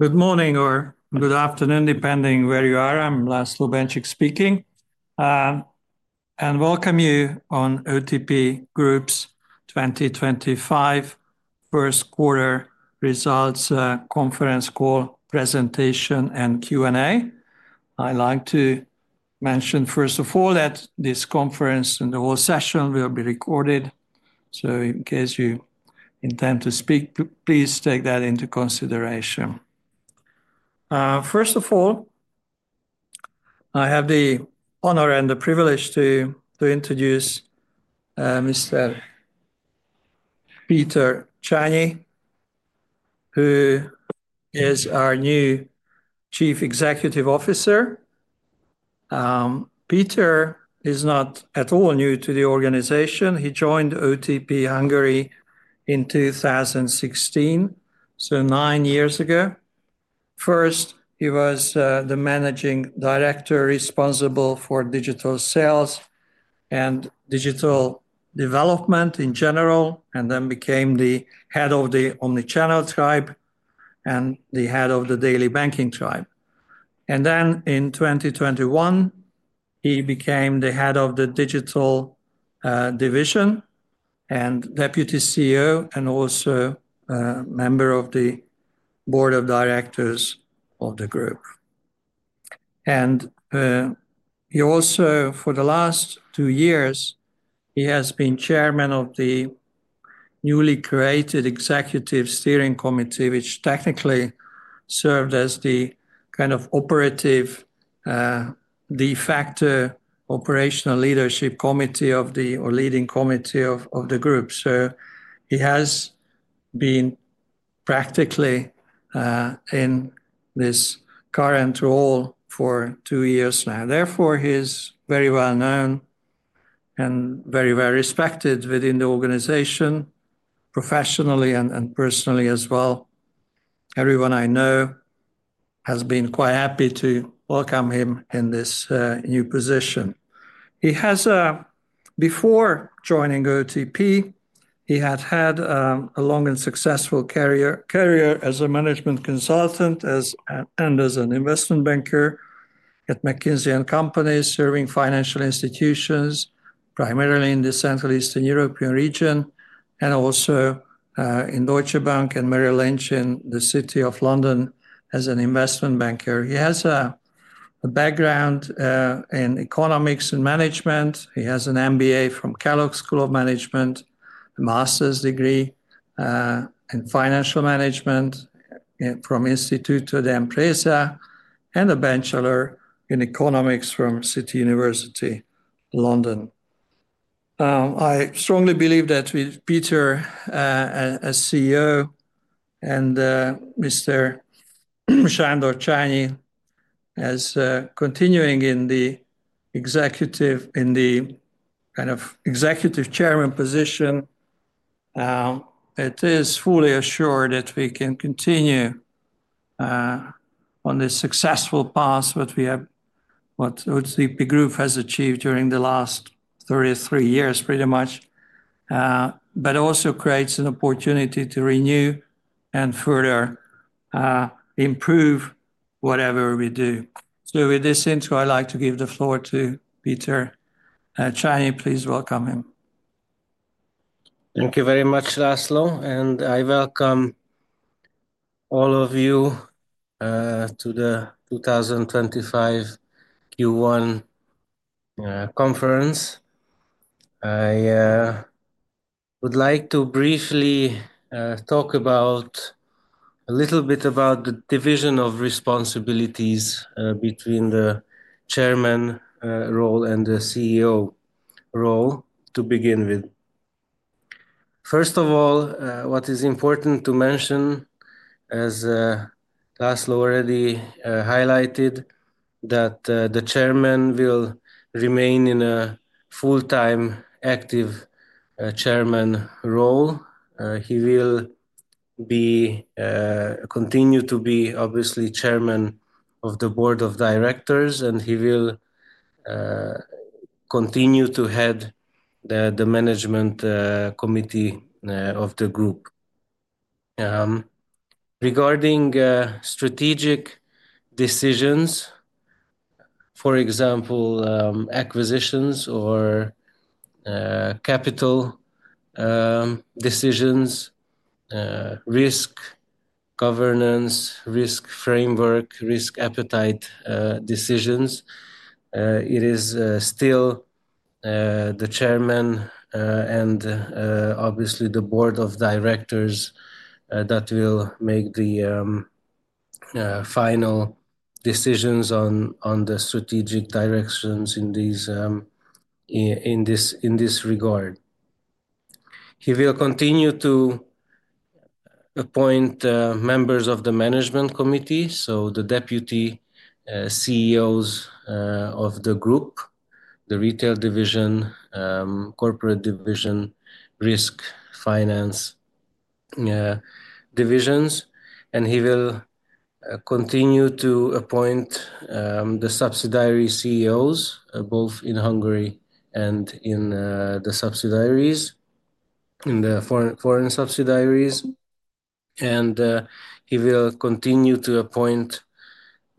Good morning, or good afternoon, depending where you are. I'm László Bencsik speaking, and welcome you to OTP Group's 2025 First Quarter Results Conference Call Presentation and Q&A. I'd like to mention, first of all, that this conference and the whole session will be recorded, so in case you intend to speak, please take that into consideration. First of all, I have the honor and the privilege to introduce Mr. Péter Csányi, who is our new Chief Executive Officer. Péter is not at all new to the organization. He joined OTP Hungary in 2016, so nine years ago. First, he was the Managing Director responsible for digital sales and digital development in general, and then became the head of the Omnichannel Tribe and the head of the Daily Banking Tribe. In 2021, he became the head of the Digital Division and Deputy CEO, and also a member of the Board of Directors of the group. He also, for the last two years, has been chairman of the newly created Executive Steering Committee, which technically served as the kind of operative de facto operational leadership committee or leading committee of the group. He has been practically in this current role for two years now. Therefore, he is very well known and very, very respected within the organization, professionally and personally as well. Everyone I know has been quite happy to welcome him in this new position. Before joining OTP, he had had a long and successful career as a management consultant and as an investment banker at McKinsey & Company, serving financial institutions primarily in the Central Eastern European region, and also in Deutsche Bank and Merrill Lynch in the city of London as an investment banker. He has a background in economics and management. He has an MBA from Kellogg School of Management, a master's degree in financial management from Instituto de Empresa, and a bachelor in economics from City University London. I strongly believe that with Peter as CEO and Mr. Csányi continuing in the executive, in the kind of executive chairman position, it is fully assured that we can continue on this successful path, what OTP Group has achieved during the last three years, pretty much, but also creates an opportunity to renew and further improve whatever we do. With this intro, I'd like to give the floor to Péter Csányi. Please welcome him. Thank you very much, László, and I welcome all of you to the 2025 Q1 Conference. I would like to briefly talk a little bit about the division of responsibilities between the chairman role and the CEO role, to begin with. First of all, what is important to mention, as László already highlighted, is that the chairman will remain in a full-time active chairman role. He will continue to be, obviously, chairman of the Board of Directors, and he will continue to head the management committee of the group. Regarding strategic decisions, for example, acquisitions or capital decisions, risk governance, risk framework, risk appetite decisions, it is still the chairman and, obviously, the Board of Directors that will make the final decisions on the strategic directions in this regard. He will continue to appoint members of the management committee, so the Deputy CEOs of the group, the retail division, corporate division, risk finance divisions, and he will continue to appoint the subsidiary CEOs, both in Hungary and in the subsidiaries, in the foreign subsidiaries, and he will continue to appoint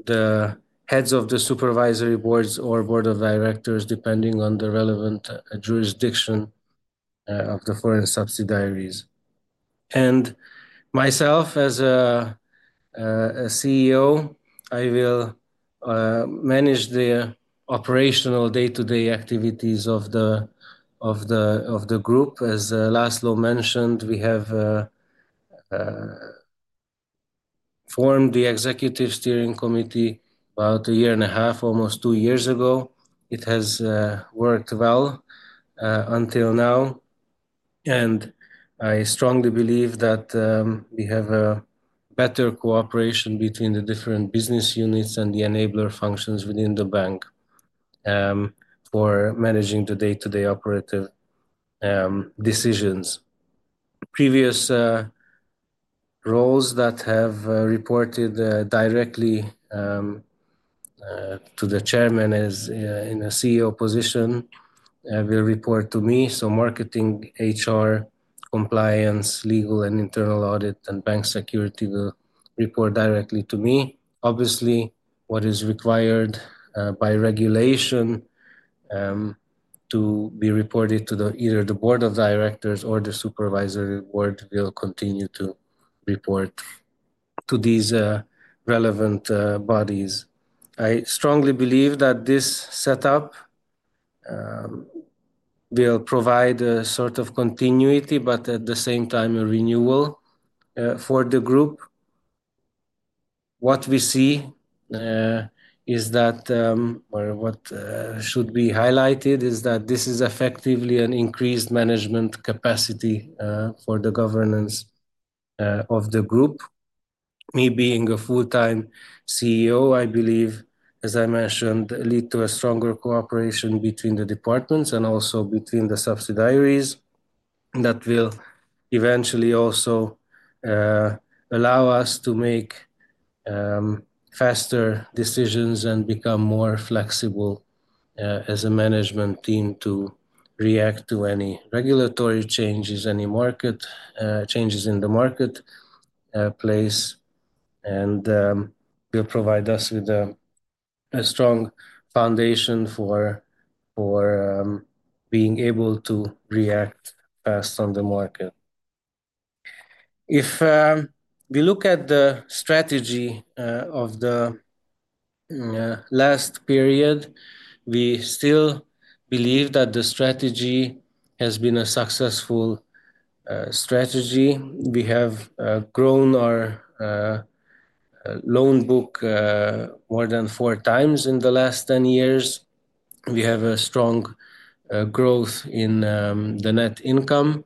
the heads of the supervisory boards or board of directors, depending on the relevant jurisdiction of the foreign subsidiaries. Myself, as CEO, I will manage the operational day-to-day activities of the group. As László mentioned, we have formed the Executive Steering Committee about a year and a half, almost two years ago. It has worked well until now, and I strongly believe that we have a better cooperation between the different business units and the enabler functions within the bank for managing the day-to-day operative decisions. Previous roles that have reported directly to the Chairman in a CEO position will report to me. So marketing, HR, compliance, legal and internal audit, and bank security will report directly to me. Obviously, what is required by regulation to be reported to either the Board of Directors or the Supervisory Board will continue to report to these relevant bodies. I strongly believe that this setup will provide a sort of continuity, but at the same time, a renewal for the group. What we see is that, or what should be highlighted, is that this is effectively an increased management capacity for the governance of the group. Me being a full-time CEO, I believe, as I mentioned, leads to a stronger cooperation between the departments and also between the subsidiaries that will eventually also allow us to make faster decisions and become more flexible as a management team to react to any regulatory changes, any market changes in the marketplace, and will provide us with a strong foundation for being able to react fast on the market. If we look at the strategy of the last period, we still believe that the strategy has been a successful strategy. We have grown our loan book more than four times in the last 10 years. We have a strong growth in the net income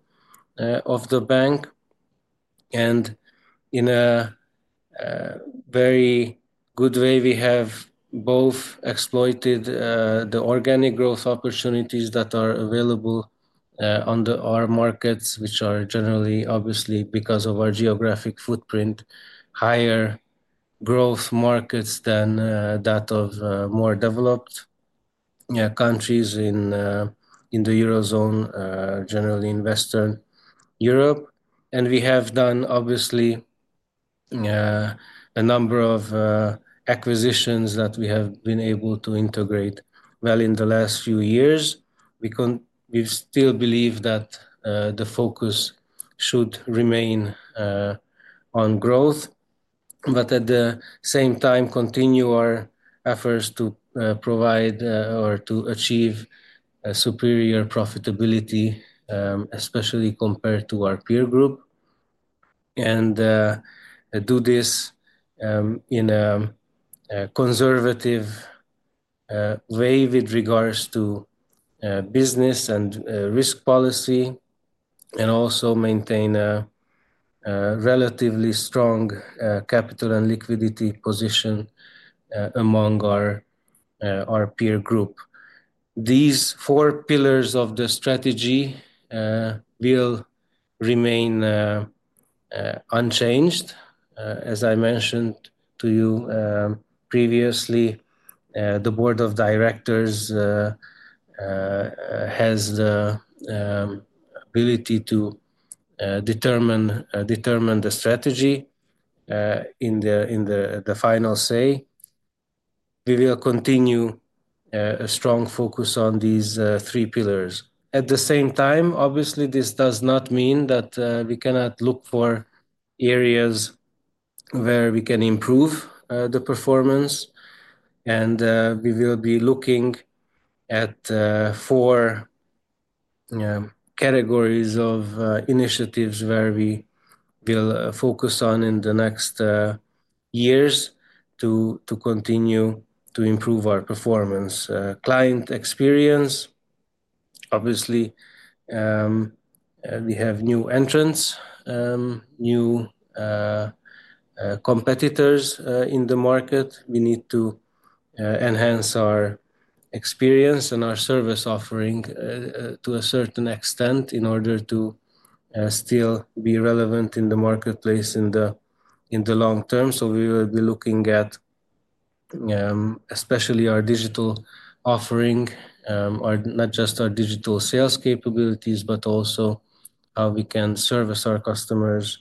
of the bank. In a very good way, we have both exploited the organic growth opportunities that are available on our markets, which are generally, obviously, because of our geographic footprint, higher growth markets than that of more developed countries in the Eurozone, generally in Western Europe. We have done, obviously, a number of acquisitions that we have been able to integrate well in the last few years. We still believe that the focus should remain on growth, but at the same time, continue our efforts to provide or to achieve superior profitability, especially compared to our peer group, and do this in a conservative way with regards to business and risk policy, and also maintain a relatively strong capital and liquidity position among our peer group. These four pillars of the strategy will remain unchanged. As I mentioned to you previously, the board of directors has the ability to determine the strategy in the final say. We will continue a strong focus on these three pillars. At the same time, obviously, this does not mean that we cannot look for areas where we can improve the performance, and we will be looking at four categories of initiatives where we will focus on in the next years to continue to improve our performance. Client experience, obviously, we have new entrants, new competitors in the market. We need to enhance our experience and our service offering to a certain extent in order to still be relevant in the marketplace in the long term. We will be looking at especially our digital offering, not just our digital sales capabilities, but also how we can service our customers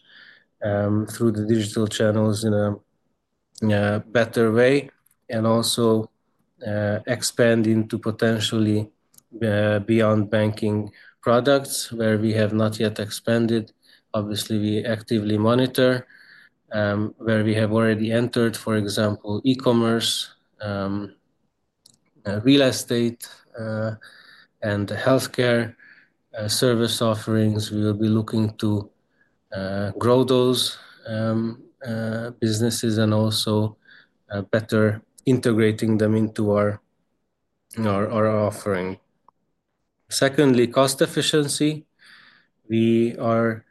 through the digital channels in a better way, and also expand into potentially beyond banking products where we have not yet expanded. Obviously, we actively monitor where we have already entered, for example, e-commerce, real estate, and healthcare service offerings. We will be looking to grow those businesses and also better integrating them into our offering. Secondly, cost efficiency. We are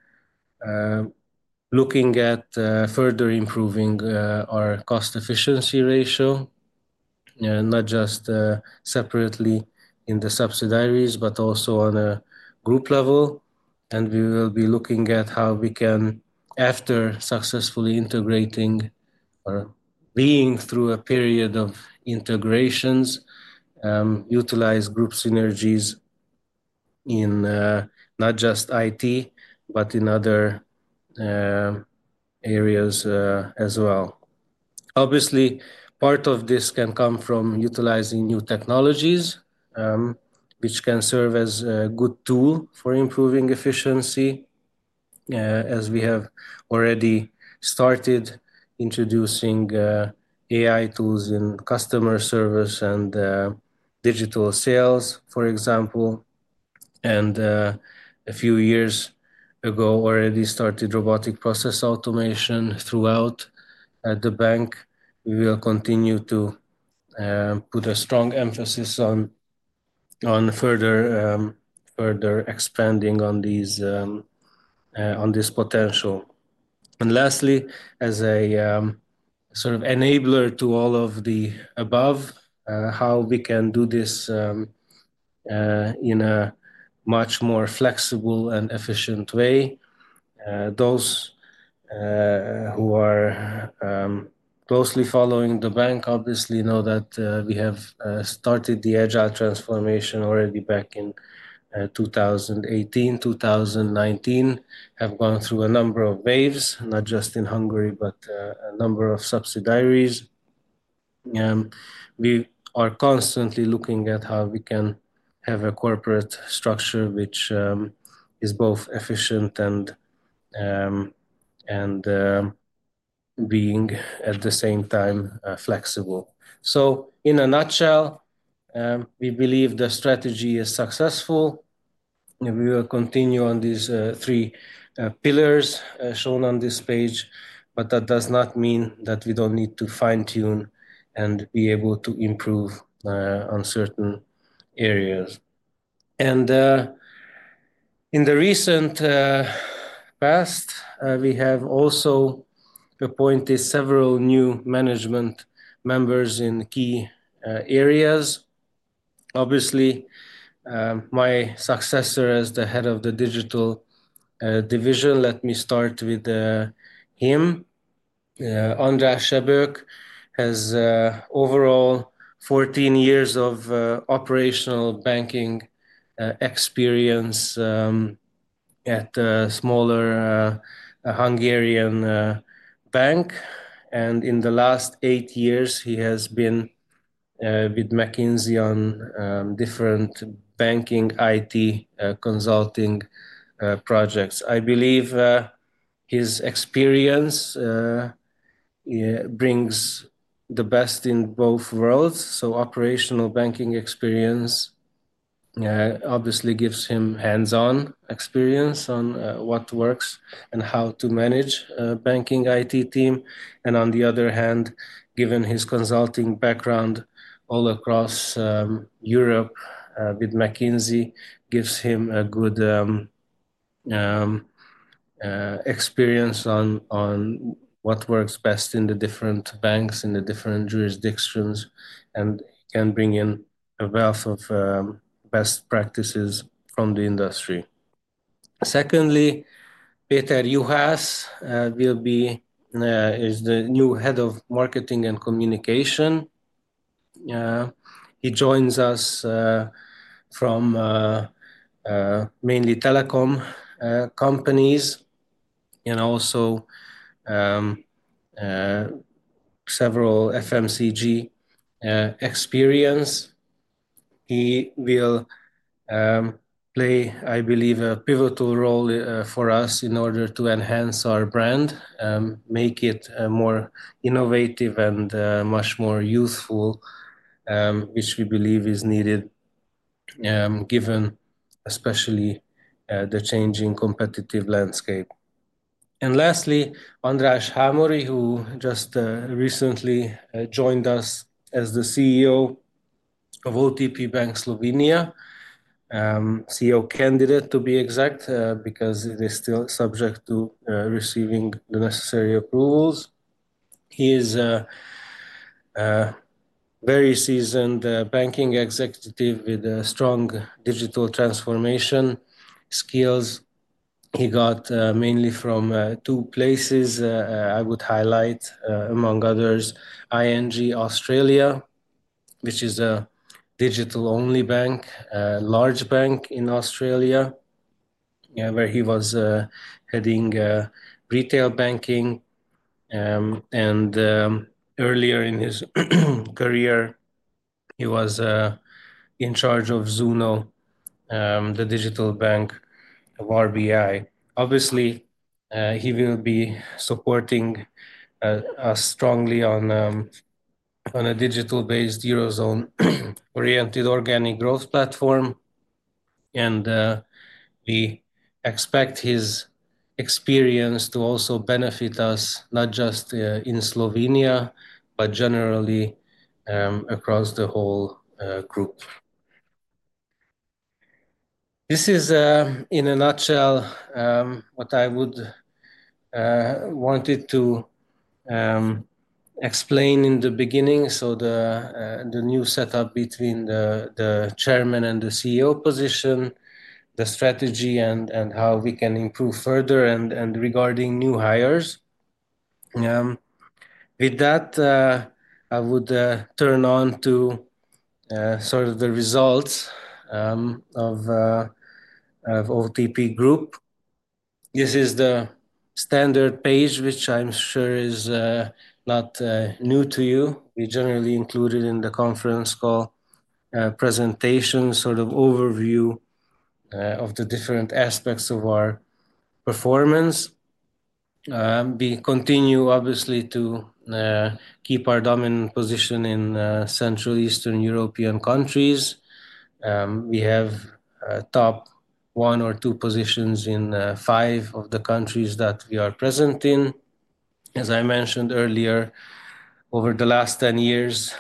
looking at further improving our cost efficiency ratio, not just separately in the subsidiaries, but also on a group level. We will be looking at how we can, after successfully integrating or being through a period of integrations, utilize group synergies in not just IT, but in other areas as well. Obviously, part of this can come from utilizing new technologies, which can serve as a good tool for improving efficiency, as we have already started introducing AI tools in customer service and digital sales, for example. A few years ago, already started robotic process automation throughout the bank. We will continue to put a strong emphasis on further expanding on this potential. Lastly, as a sort of enabler to all of the above, how we can do this in a much more flexible and efficient way. Those who are closely following the bank obviously know that we have started the agile transformation already back in 2018, 2019, have gone through a number of waves, not just in Hungary, but a number of subsidiaries. We are constantly looking at how we can have a corporate structure which is both efficient and being, at the same time, flexible. In a nutshell, we believe the strategy is successful. We will continue on these three pillars shown on this page, but that does not mean that we do not need to fine-tune and be able to improve on certain areas. In the recent past, we have also appointed several new management members in key areas. Obviously, my successor as the head of the digital division, let me start with him. András Sebők has overall 14 years of operational banking experience at a smaller Hungarian bank. In the last eight years, he has been with McKinsey on different banking IT consulting projects. I believe his experience brings the best in both worlds. Operational banking experience obviously gives him hands-on experience on what works and how to manage a banking IT team. On the other hand, given his consulting background all across Europe with McKinsey, it gives him a good experience on what works best in the different banks, in the different jurisdictions, and can bring in a wealth of best practices from the industry. Secondly, Péter Juhász will be the new Head of Marketing and Communication. He joins us from mainly telecom companies and also several FMCG experience. He will play, I believe, a pivotal role for us in order to enhance our brand, make it more innovative, and much more useful, which we believe is needed given especially the changing competitive landscape. Lastly, András Hámori, who just recently joined us as the CEO of OTP Bank Slovenia, CEO candidate to be exact, because it is still subject to receiving the necessary approvals. He is a very seasoned banking executive with strong digital transformation skills. He got mainly from two places I would highlight, among others, ING Australia, which is a digital-only bank, a large bank in Australia, where he was heading retail banking. Earlier in his career, he was in charge of Zuno, the digital bank of RBI. Obviously, he will be supporting us strongly on a digital-based Eurozone-oriented organic growth platform. We expect his experience to also benefit us, not just in Slovenia, but generally across the whole group. This is, in a nutshell, what I would wanted to explain in the beginning. The new setup between the chairman and the CEO position, the strategy, and how we can improve further, and regarding new hires. With that, I would turn on to sort of the results of OTP Group. This is the standard page, which I'm sure is not new to you. We generally include it in the conference call presentation, sort of overview of the different aspects of our performance. We continue, obviously, to keep our dominant position in Central Eastern European countries. We have top one or two positions in five of the countries that we are present in. As I mentioned earlier, over the last 10 years,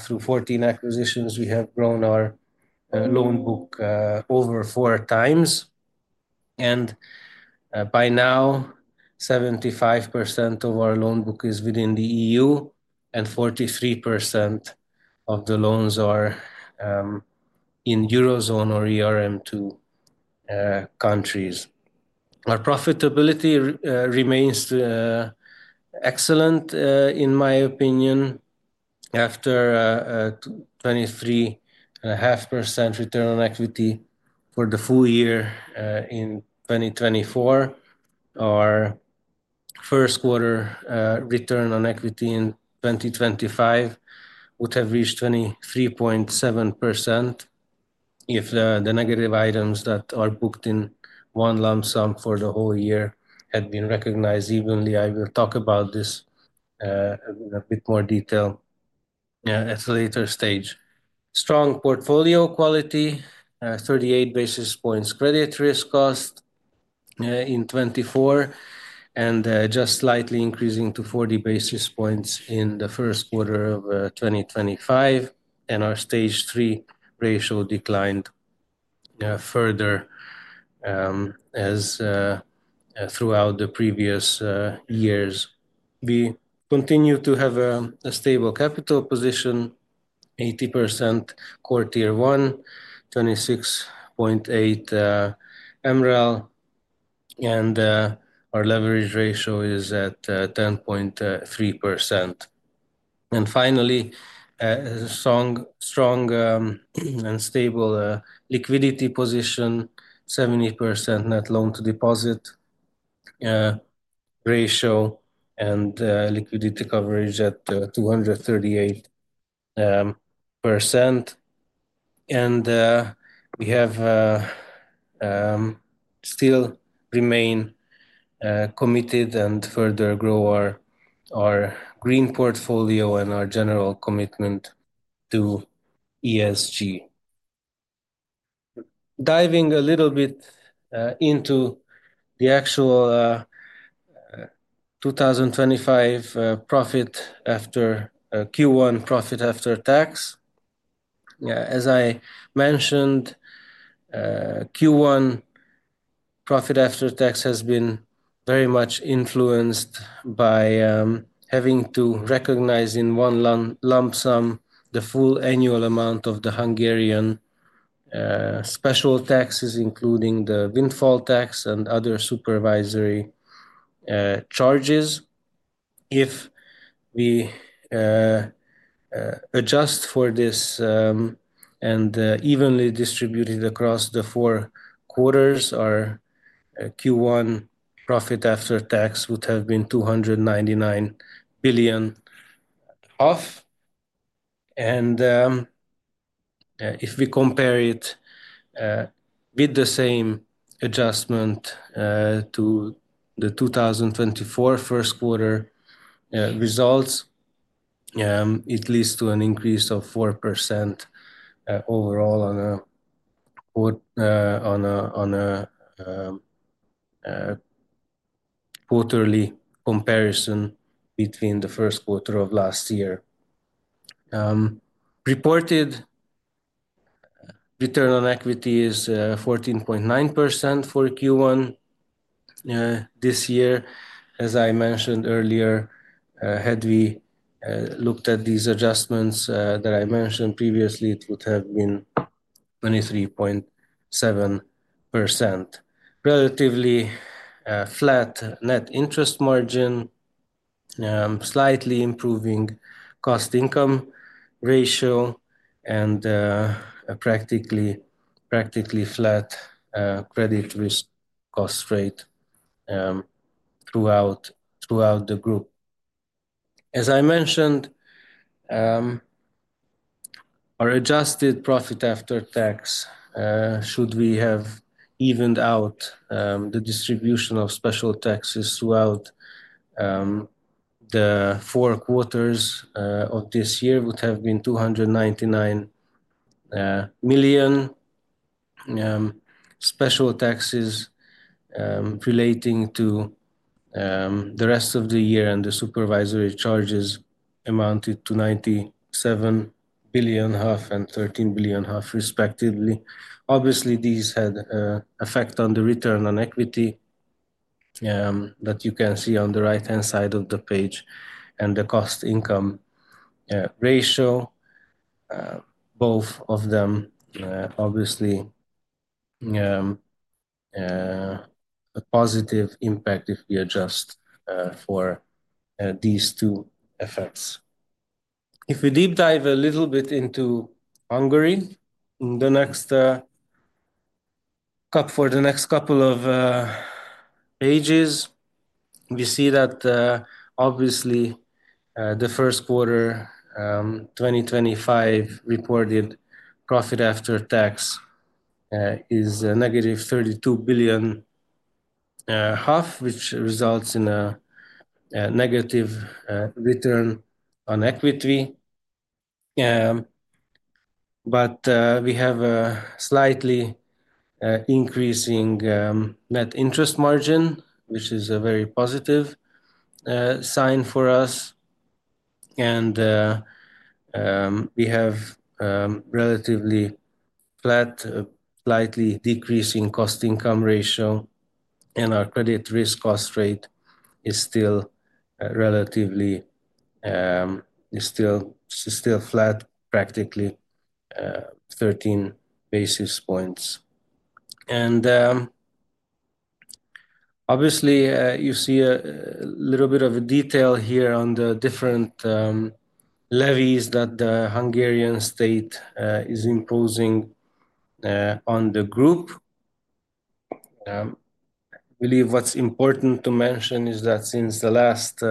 through 14 acquisitions, we have grown our loan book over four times. By now, 75% of our loan book is within the EU, and 43% of the loans are in Eurozone or ERM2 countries. Our profitability remains excellent, in my opinion, after a 23.5% return on equity for the full year in 2024. Our first quarter return on equity in 2025 would have reached 23.7% if the negative items that are booked in one lump sum for the whole year had been recognized evenly. I will talk about this in a bit more detail at a later stage. Strong portfolio quality, 38 basis points credit risk cost in 2024, and just slightly increasing to 40 basis points in the first quarter of 2025. Our stage three ratio declined further throughout the previous years. We continue to have a stable capital position, 18% CET1, 26.8% MREL, and our leverage ratio is at 10.3%. Finally, a strong and stable liquidity position, 73% net loan-to-deposit ratio, and liquidity coverage at 238%. We still remain committed and further grow our green portfolio and our general commitment to ESG. Diving a little bit into the actual 2025 profit after Q1 profit after tax. As I mentioned, Q1 profit after tax has been very much influenced by having to recognize in one lump sum the full annual amount of the Hungarian special taxes, including the windfall tax and other supervisory charges. If we adjust for this and evenly distribute it across the four quarters, our Q1 profit after tax would have been 299 billion. If we compare it with the same adjustment to the 2024 first quarter results, it leads to an increase of 4% overall on a quarterly comparison between the first quarter of last year. Reported return on equity is 14.9% for Q1 this year. As I mentioned earlier, had we looked at these adjustments that I mentioned previously, it would have been 23.7%. Relatively flat net interest margin, slightly improving cost-to-income ratio, and a practically flat credit risk cost rate throughout the group. As I mentioned, our adjusted profit after tax, should we have evened out the distribution of special taxes throughout the four quarters of this year, would have been 299 million. Special taxes relating to the rest of the year and the supervisory charges amounted to 97 billion and 13 billion, respectively. Obviously, these had an effect on the return on equity that you can see on the right-hand side of the page and the cost income ratio. Both of them, obviously, a positive impact if we adjust for these two effects. If we deep dive a little bit into Hungary in the next couple of pages, we see that obviously the first quarter 2025 reported profit after tax is negative 32 billion, which results in a negative return on equity. We have a slightly increasing net interest margin, which is a very positive sign for us. We have a relatively flat, slightly decreasing cost-to-income ratio, and our credit risk cost rate is still relatively flat, practically 13 basis points. Obviously, you see a little bit of a detail here on the different levies that the Hungarian state is imposing on the group. I believe what is important to mention is that since the last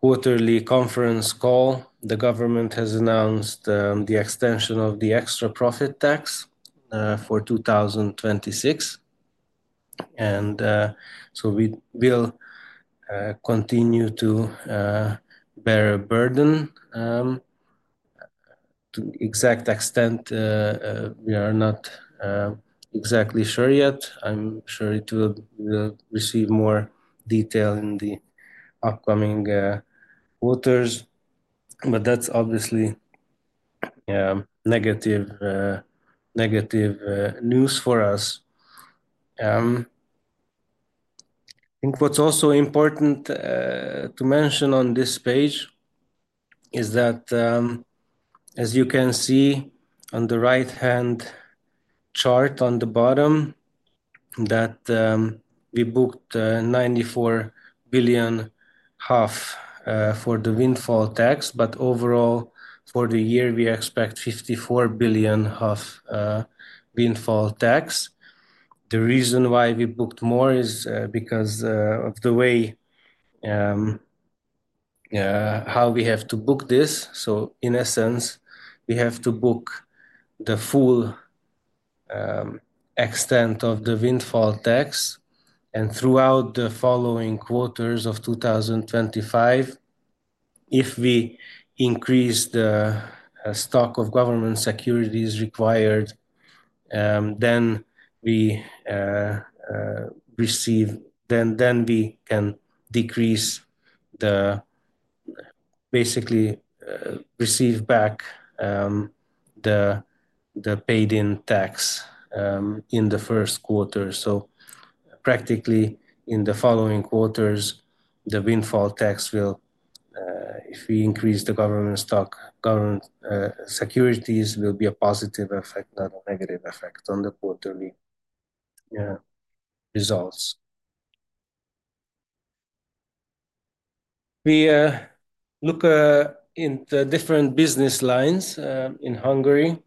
quarterly conference call, the government has announced the extension of the extra profit tax for 2026. We will continue to bear a burden. To the exact extent, we are not exactly sure yet. I am sure it will receive more detail in the upcoming quarters. That is obviously negative news for us. I think what's also important to mention on this page is that, as you can see on the right-hand chart on the bottom, that we booked 94 billion for the windfall tax. Overall, for the year, we expect 54 billion windfall tax. The reason why we booked more is because of the way how we have to book this. In essence, we have to book the full extent of the windfall tax. Throughout the following quarters of 2025, if we increase the stock of government securities required, then we can decrease, basically receive back, the paid-in tax in the first quarter. Practically, in the following quarters, the windfall tax will, if we increase the government securities stock, be a positive effect, not a negative effect on the quarterly results. We look at different business lines in Hungary.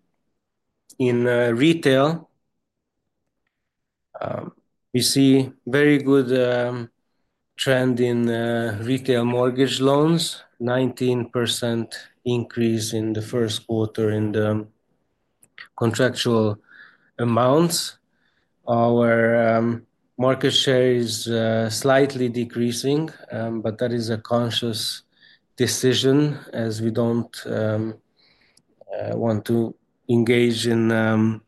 In retail, we see a very good trend in retail mortgage loans, 19% increase in the first quarter in the contractual amounts. Our market share is slightly decreasing, but that is a conscious decision as we do not want to engage in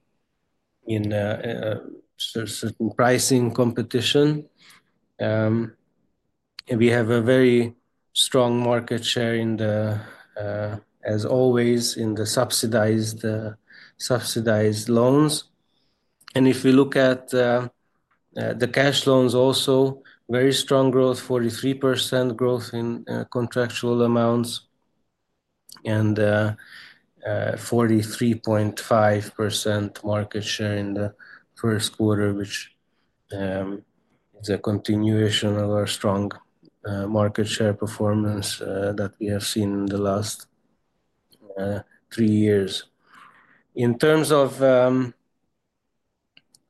certain pricing competition. We have a very strong market share in the, as always, in the subsidized loans. If we look at the cash loans also, very strong growth, 43% growth in contractual amounts, and 43.5% market share in the first quarter, which is a continuation of our strong market share performance that we have seen in the last three years. In terms of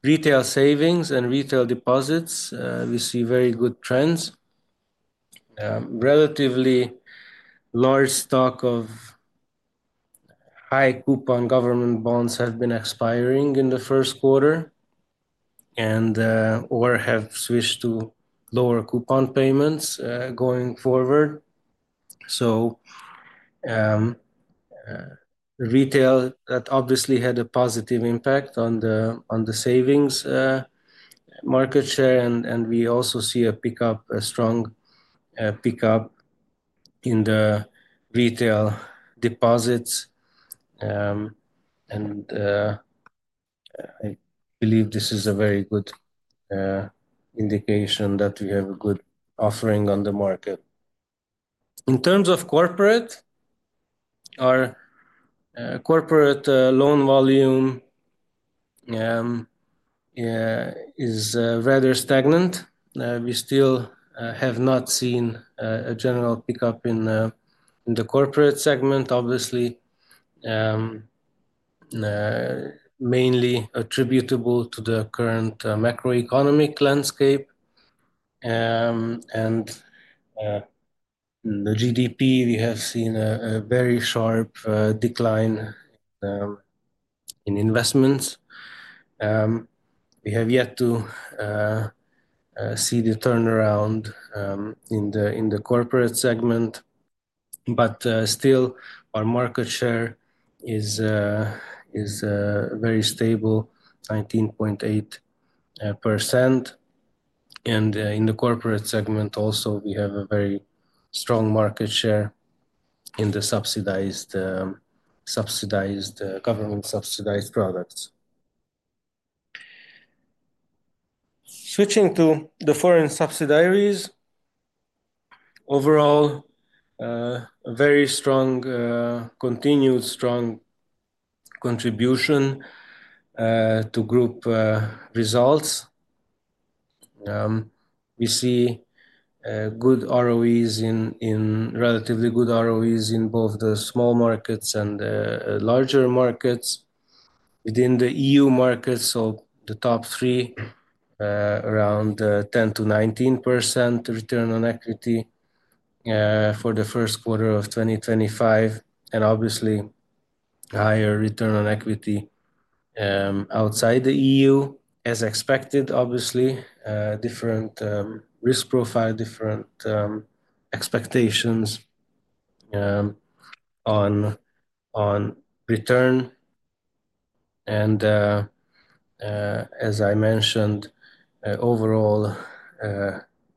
retail savings and retail deposits, we see very good trends. Relatively large stock of high coupon government bonds have been expiring in the first quarter and/or have switched to lower coupon payments going forward. Retail obviously had a positive impact on the savings market share. We also see a strong pickup in the retail deposits. I believe this is a very good indication that we have a good offering on the market. In terms of corporate, our corporate loan volume is rather stagnant. We still have not seen a general pickup in the corporate segment, mainly attributable to the current macroeconomic landscape. In the GDP, we have seen a very sharp decline in investments. We have yet to see the turnaround in the corporate segment. Still, our market share is very stable, 19.8%. In the corporate segment also, we have a very strong market share in the subsidized government subsidized products. Switching to the foreign subsidiaries, overall, a very strong, continued strong contribution to group results. We see good ROEs, relatively good ROEs in both the small markets and the larger markets. Within the EU markets, so the top three, around 10-19% return on equity for the first quarter of 2025. Obviously, higher return on equity outside the EU, as expected, obviously, different risk profile, different expectations on return. As I mentioned, overall,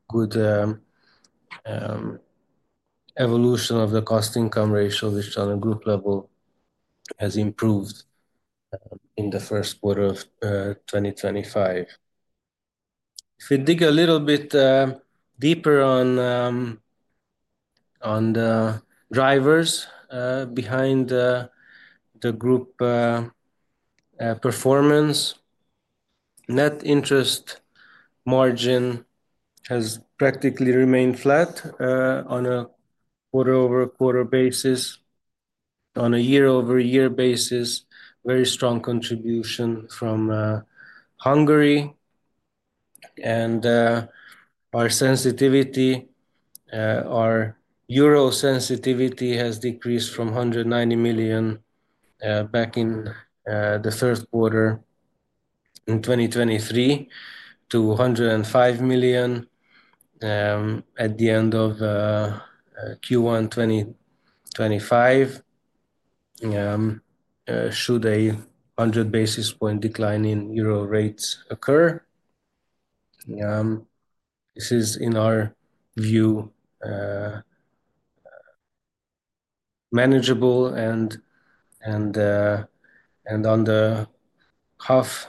good evolution of the cost-to-income ratio, which on a group level has improved in the first quarter of 2025. If we dig a little bit deeper on the drivers behind the group performance, net interest margin has practically remained flat on a quarter-over-quarter basis. On a year-over-year basis, very strong contribution from Hungary. Our sensitivity, our euro sensitivity has decreased from 190 million back in the first quarter in 2023 to 105 million at the end of Q1 2025. Should a 100 basis point decline in euro rates occur, this is in our view manageable. On the half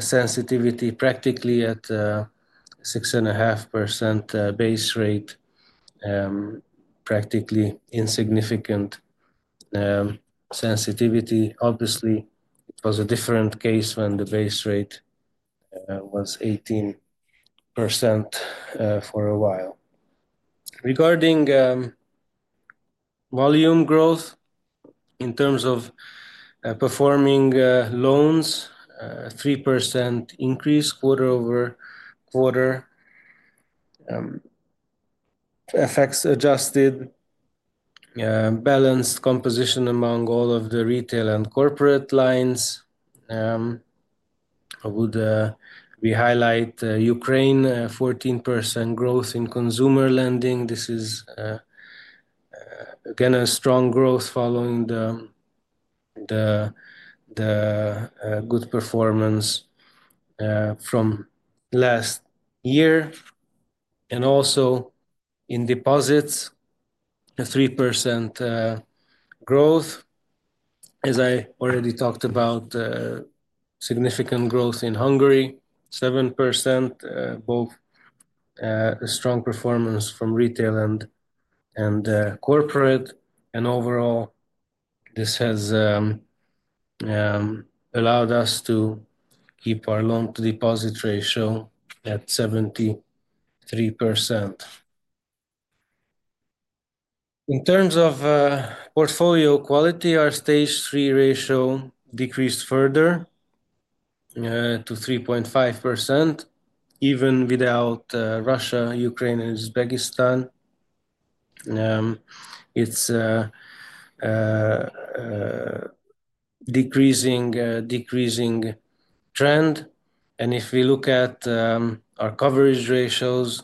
sensitivity, practically at 6.5% base rate, practically insignificant sensitivity. Obviously, it was a different case when the base rate was 18% for a while. Regarding volume growth, in terms of performing loans, 3% increase quarter-over-quarter effects adjusted, balanced composition among all of the retail and corporate lines. I would highlight Ukraine, 14% growth in consumer lending. This is, again, a strong growth following the good performance from last year. Also in deposits, 3% growth. As I already talked about, significant growth in Hungary, 7%, both a strong performance from retail and corporate. Overall, this has allowed us to keep our loan-to-deposit ratio at 73%. In terms of portfolio quality, our stage three ratio decreased further to 3.5%, even without Russia, Ukraine, and Uzbekistan. It is a decreasing trend. If we look at our coverage ratios,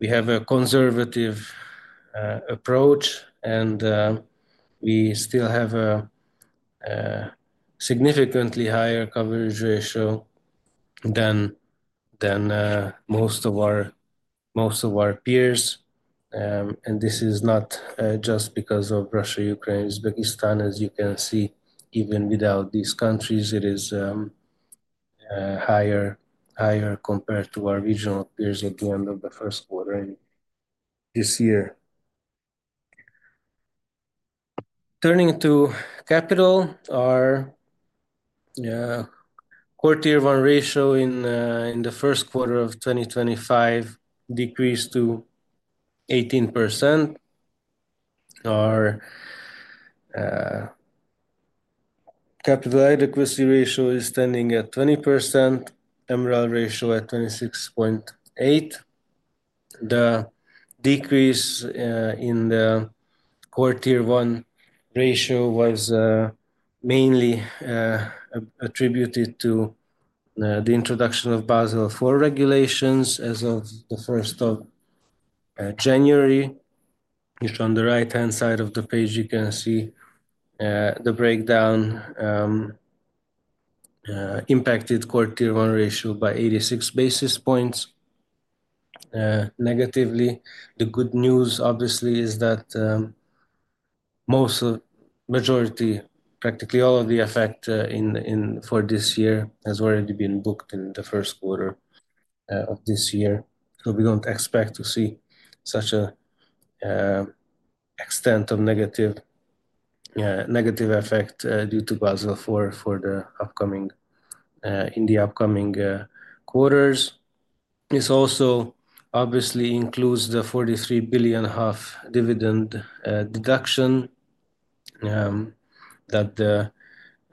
we have a conservative approach, and we still have a significantly higher coverage ratio than most of our peers. This is not just because of Russia, Ukraine, Uzbekistan. As you can see, even without these countries, it is higher compared to our regional peers at the end of the first quarter this year. Turning to capital, our Common Equity Tier 1 ratio in the first quarter of 2025 decreased to 18%. Our capital adequacy ratio is standing at 20%, MREL ratio at 26.8%. The decrease in the Common Equity Tier 1 ratio was mainly attributed to the introduction of Basel IV regulations as of the 1st of January. On the right-hand side of the page, you can see the breakdown impacted Common Equity Tier 1 ratio by 86 basis points. Negatively, the good news obviously is that most of the majority, practically all of the effect for this year has already been booked in the first quarter of this year. We do not expect to see such an extent of negative effect due to Basel IV in the upcoming quarters. This also obviously includes the 43 billion dividend deduction that the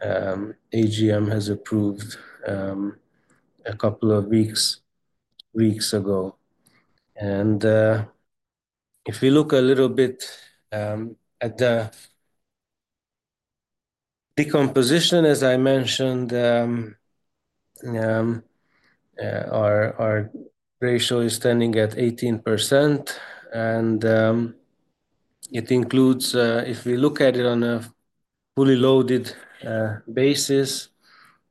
AGM has approved a couple of weeks ago. If we look a little bit at the decomposition, as I mentioned, our ratio is standing at 18%. It includes, if we look at it on a fully loaded basis,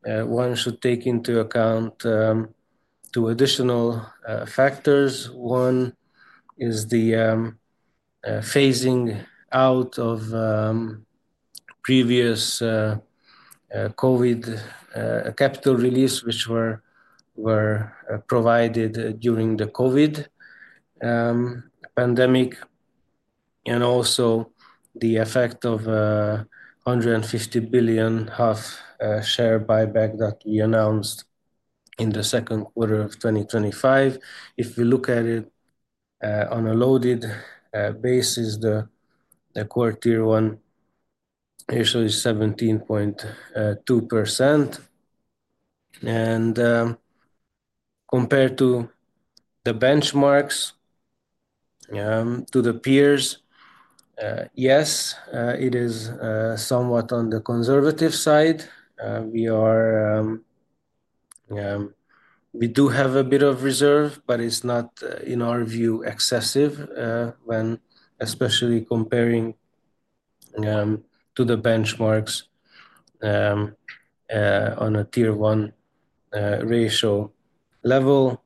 one should take into account two additional factors. One is the phasing out of previous COVID capital release, which were provided during the COVID pandemic, and also the effect of the 150 billion share buyback that we announced in the second quarter of 2025. If we look at it on a loaded basis, the quarter-year-one ratio is 17.2%. Compared to the benchmarks, to the peers, yes, it is somewhat on the conservative side. We do have a bit of reserve, but it's not, in our view, excessive when especially comparing to the benchmarks on a tier-one ratio level.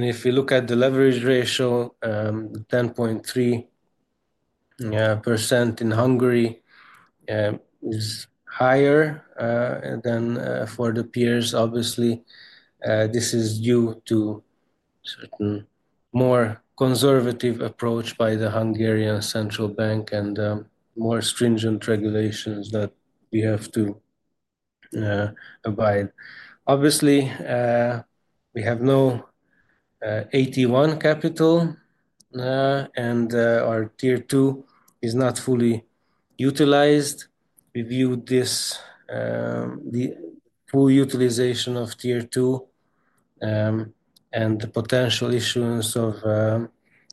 If we look at the leverage ratio, 10.3% in Hungary is higher than for the peers. Obviously, this is due to a more conservative approach by the Hungarian Central Bank and more stringent regulations that we have to abide. Obviously, we have no AT1 capital, and our tier two is not fully utilized. We view this full utilization of tier two and the potential issuance of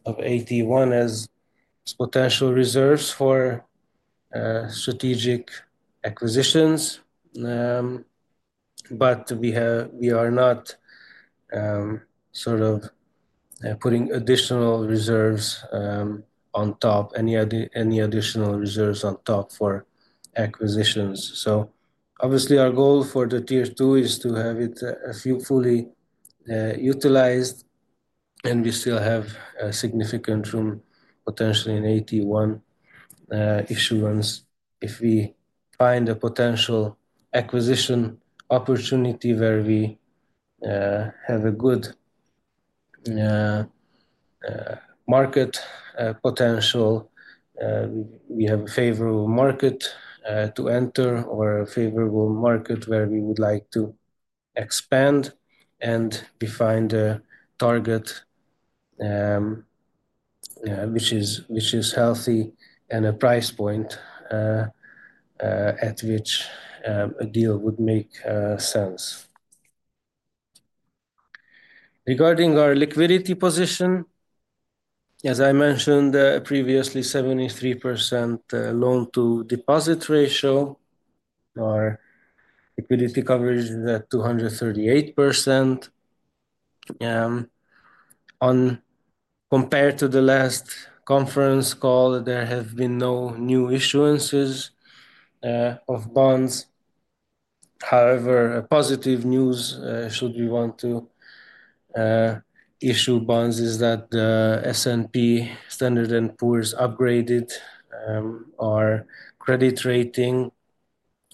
AT1 as potential reserves for strategic acquisitions. We are not sort of putting any additional reserves on top for acquisitions. Obviously, our goal for the tier two is to have it fully utilized, and we still have significant room potentially in AT1 issuance if we find a potential acquisition opportunity where we have a good market potential. We have a favorable market to enter or a favorable market where we would like to expand and we find a target which is healthy and a price point at which a deal would make sense. Regarding our liquidity position, as I mentioned previously, 73% loan-to-deposit ratio, our liquidity coverage is at 238%. Compared to the last conference call, there have been no new issuances of bonds. However, positive news should we want to issue bonds is that S&P Standard and Poor's upgraded our credit rating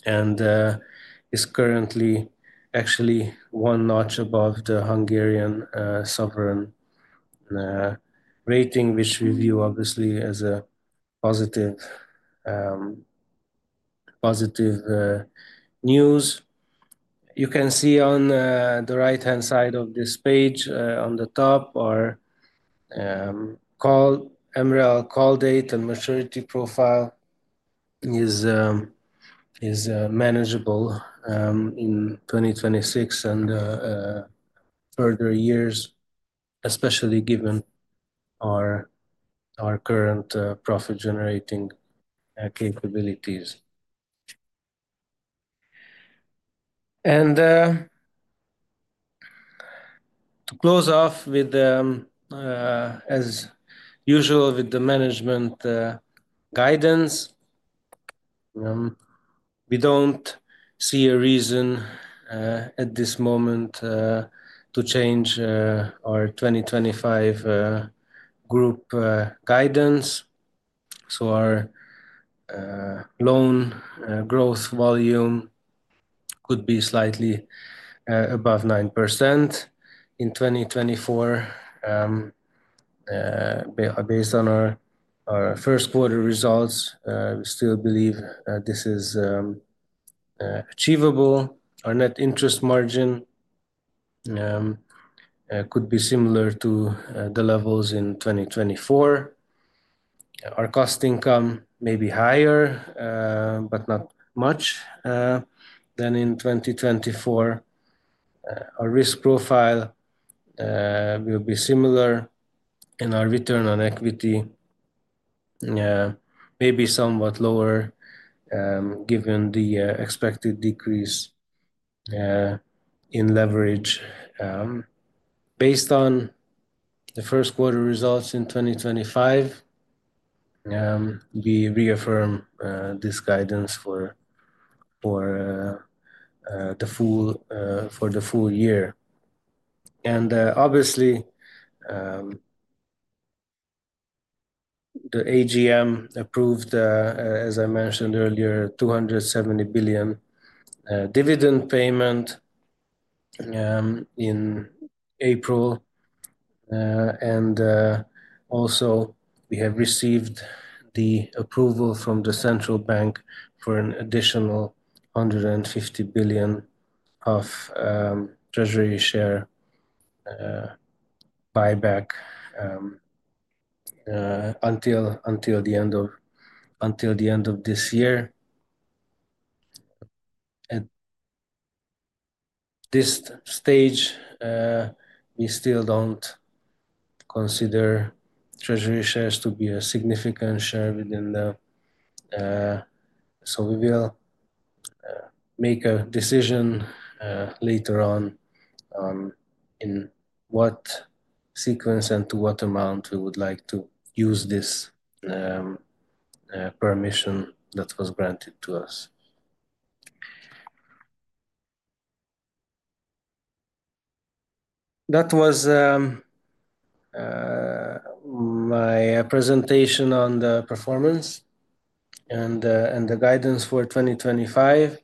and is currently actually one notch above the Hungarian sovereign rating, which we view obviously as positive news. You can see on the right-hand side of this page, on the top, our Emerald call date and maturity profile is manageable in 2026 and further years, especially given our current profit-generating capabilities. To close off, as usual, with the management guidance, we do not see a reason at this moment to change our 2025 group guidance. Our loan growth volume could be slightly above 9% in 2024. Based on our first quarter results, we still believe this is achievable. Our net interest margin could be similar to the levels in 2024. Our cost income may be higher, but not much, than in 2024. Our risk profile will be similar, and our return on equity may be somewhat lower given the expected decrease in leverage. Based on the first quarter results in 2025, we reaffirm this guidance for the full year. Obviously, the AGM approved, as I mentioned earlier, 270 billion dividend payment in April. We have also received the approval from the central bank for an additional 150 billion of treasury share buyback until the end of this year. At this stage, we still do not consider treasury shares to be a significant share within the company, so we will make a decision later on in what sequence and to what amount we would like to use this permission that was granted to us. That was my presentation on the performance and the guidance for 2025.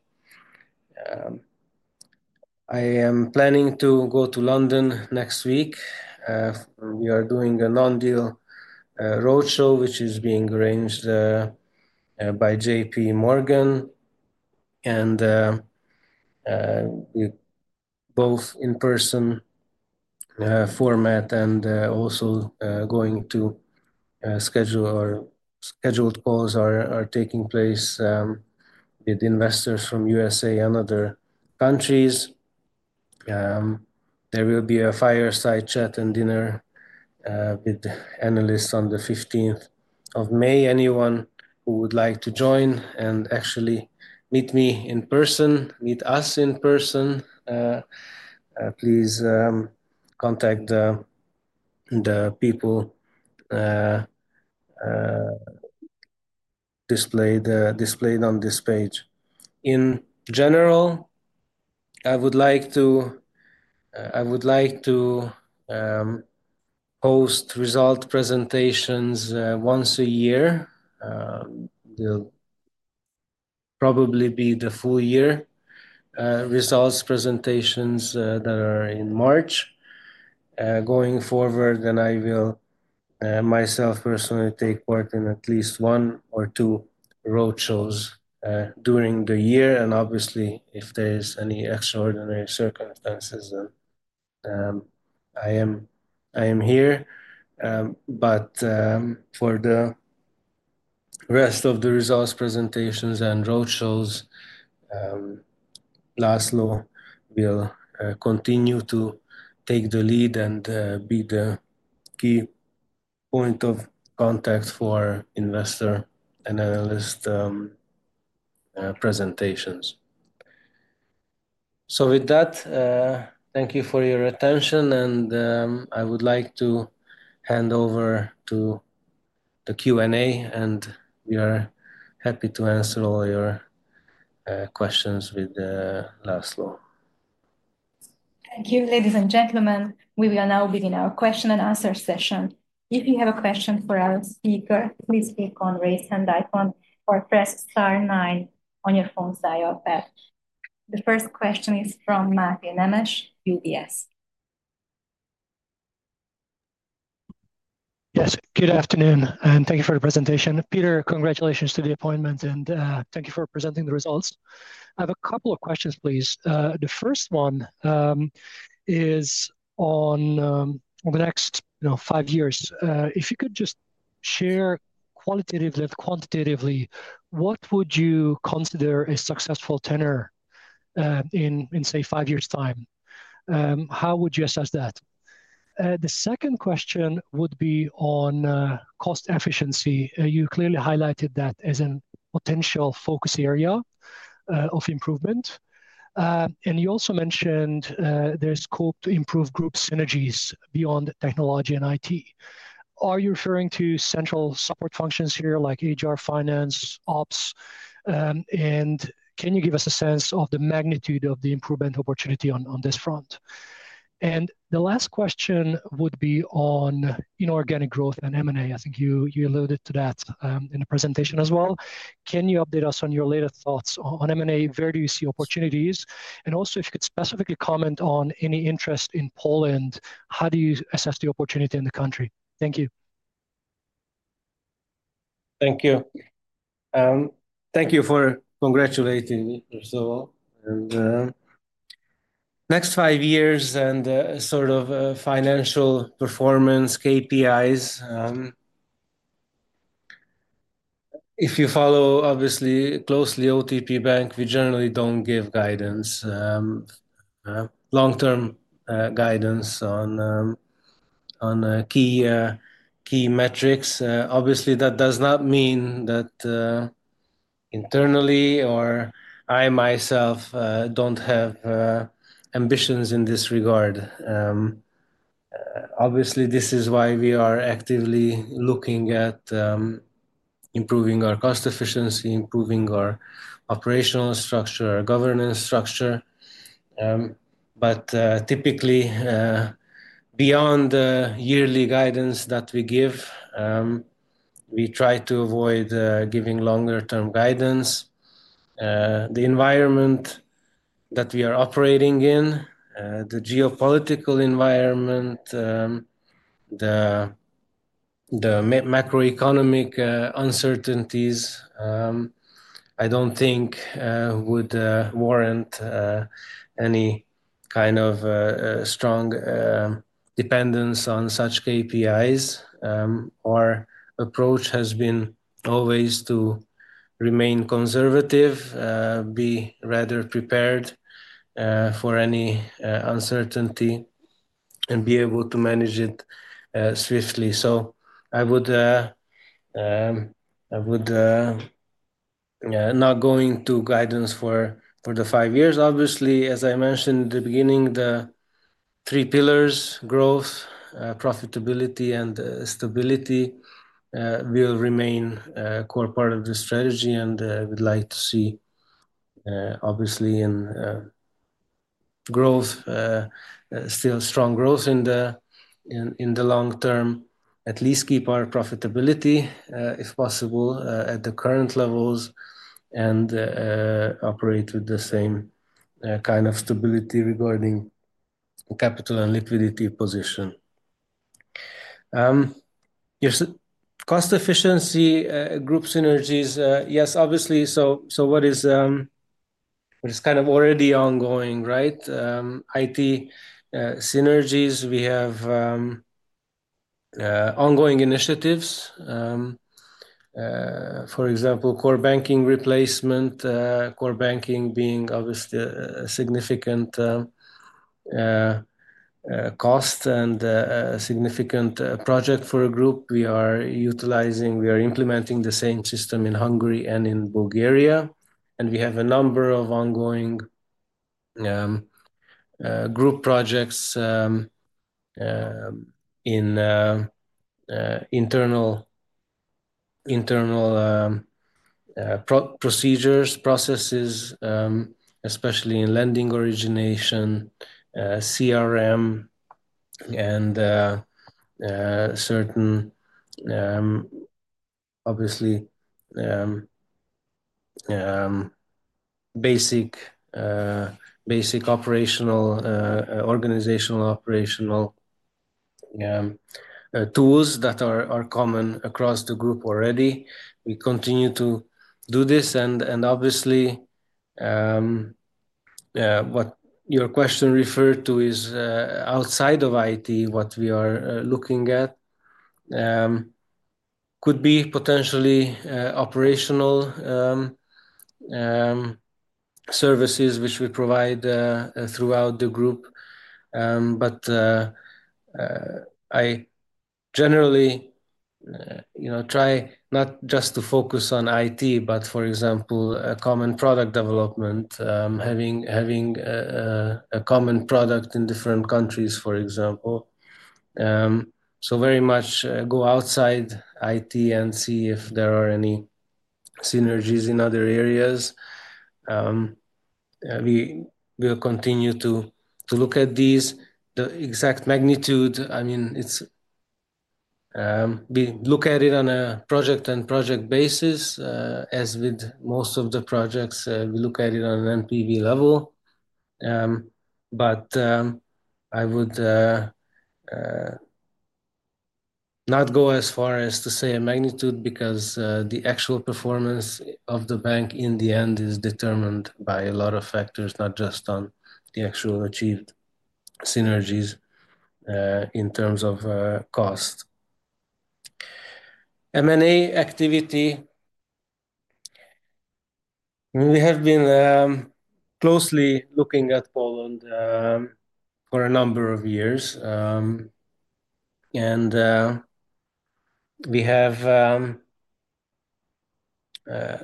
I am planning to go to London next week. We are doing a non-deal roadshow, which is being arranged by JP Morgan. Both in-person format and also our scheduled calls are taking place with investors from the U.S. and other countries. There will be a fireside chat and dinner with analysts on the 15th of May. Anyone who would like to join and actually meet me in person, meet us in person, please contact the people displayed on this page. In general, I would like to host result presentations once a year. They'll probably be the full year results presentations that are in March. Going forward, I will myself personally take part in at least one or two roadshows during the year. Obviously, if there's any extraordinary circumstances, I am here. For the rest of the results presentations and roadshows, László will continue to take the lead and be the key point of contact for investor and analyst presentations. With that, thank you for your attention, and I would like to hand over to the Q&A, and we are happy to answer all your questions with László. Thank you, ladies and gentlemen. We will now begin our question and answer session. If you have a question for our speaker, please click on the raise hand icon or press star nine on your phone's dial pad. The first question is from Martin Nemes, UBS. Yes. Good afternoon, and thank you for the presentation. Péter, congratulations to the appointment, and thank you for presenting the results. I have a couple of questions, please. The first one is on the next five years. If you could just share qualitatively and quantitatively, what would you consider a successful tenure in, say, five years' time? How would you assess that? The second question would be on cost efficiency. You clearly highlighted that as a potential focus area of improvement. You also mentioned there's hope to improve group synergies beyond technology and IT. Are you referring to central support functions here like HR, finance, ops? Can you give us a sense of the magnitude of the improvement opportunity on this front? The last question would be on inorganic growth and M&A. I think you alluded to that in the presentation as well. Can you update us on your latest thoughts on M&A? Where do you see opportunities? If you could specifically comment on any interest in Poland, how do you assess the opportunity in the country? Thank you. Thank you. Thank you for congratulating me, László. Next five years and sort of financial performance KPIs. If you follow, obviously, closely OTP Bank, we generally don't give guidance, long-term guidance on key metrics. Obviously, that does not mean that internally or I myself do not have ambitions in this regard. Obviously, this is why we are actively looking at improving our cost efficiency, improving our operational structure, our governance structure. Typically, beyond the yearly guidance that we give, we try to avoid giving longer-term guidance. The environment that we are operating in, the geopolitical environment, the macroeconomic uncertainties, I do not think would warrant any kind of strong dependence on such KPIs. Our approach has been always to remain conservative, be rather prepared for any uncertainty, and be able to manage it swiftly. I would not go into guidance for the five years. Obviously, as I mentioned in the beginning, the three pillars: growth, profitability, and stability will remain a core part of the strategy, and I would like to see, obviously, in growth, still strong growth in the long term, at least keep our profitability, if possible, at the current levels and operate with the same kind of stability regarding capital and liquidity position. Cost efficiency, group synergies, yes, obviously. What is kind of already ongoing, right? IT synergies, we have ongoing initiatives. For example, core banking replacement, core banking being obviously a significant cost and a significant project for a group. We are utilizing, we are implementing the same system in Hungary and in Bulgaria. We have a number of ongoing group projects in internal procedures, processes, especially in lending origination, CRM, and certain, obviously, basic operational, organizational operational tools that are common across the group already. We continue to do this. Obviously, what your question referred to is outside of IT, what we are looking at could be potentially operational services which we provide throughout the group. I generally try not just to focus on IT, but, for example, common product development, having a common product in different countries, for example. I very much go outside IT and see if there are any synergies in other areas. We will continue to look at these. The exact magnitude, I mean, we look at it on a project-on-project basis, as with most of the projects. We look at it on an MPV level. I would not go as far as to say a magnitude because the actual performance of the bank in the end is determined by a lot of factors, not just on the actual achieved synergies in terms of cost. M&A activity. We have been closely looking at Poland for a number of years. We have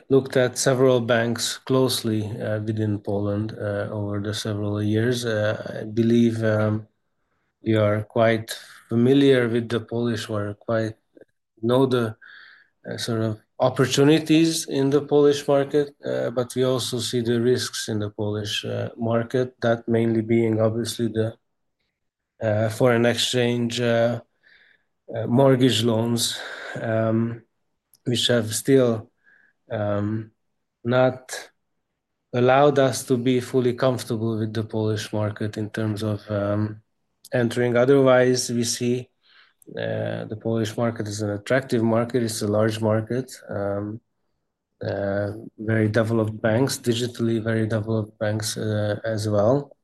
looked at several banks closely within Poland over the several years. I believe we are quite familiar with the Polish or quite know the sort of opportunities in the Polish market, but we also see the risks in the Polish market, that mainly being, obviously, the foreign exchange mortgage loans, which have still not allowed us to be fully comfortable with the Polish market in terms of entering. Otherwise, we see the Polish market as an attractive market. It is a large market, very developed banks, digitally very developed banks as well.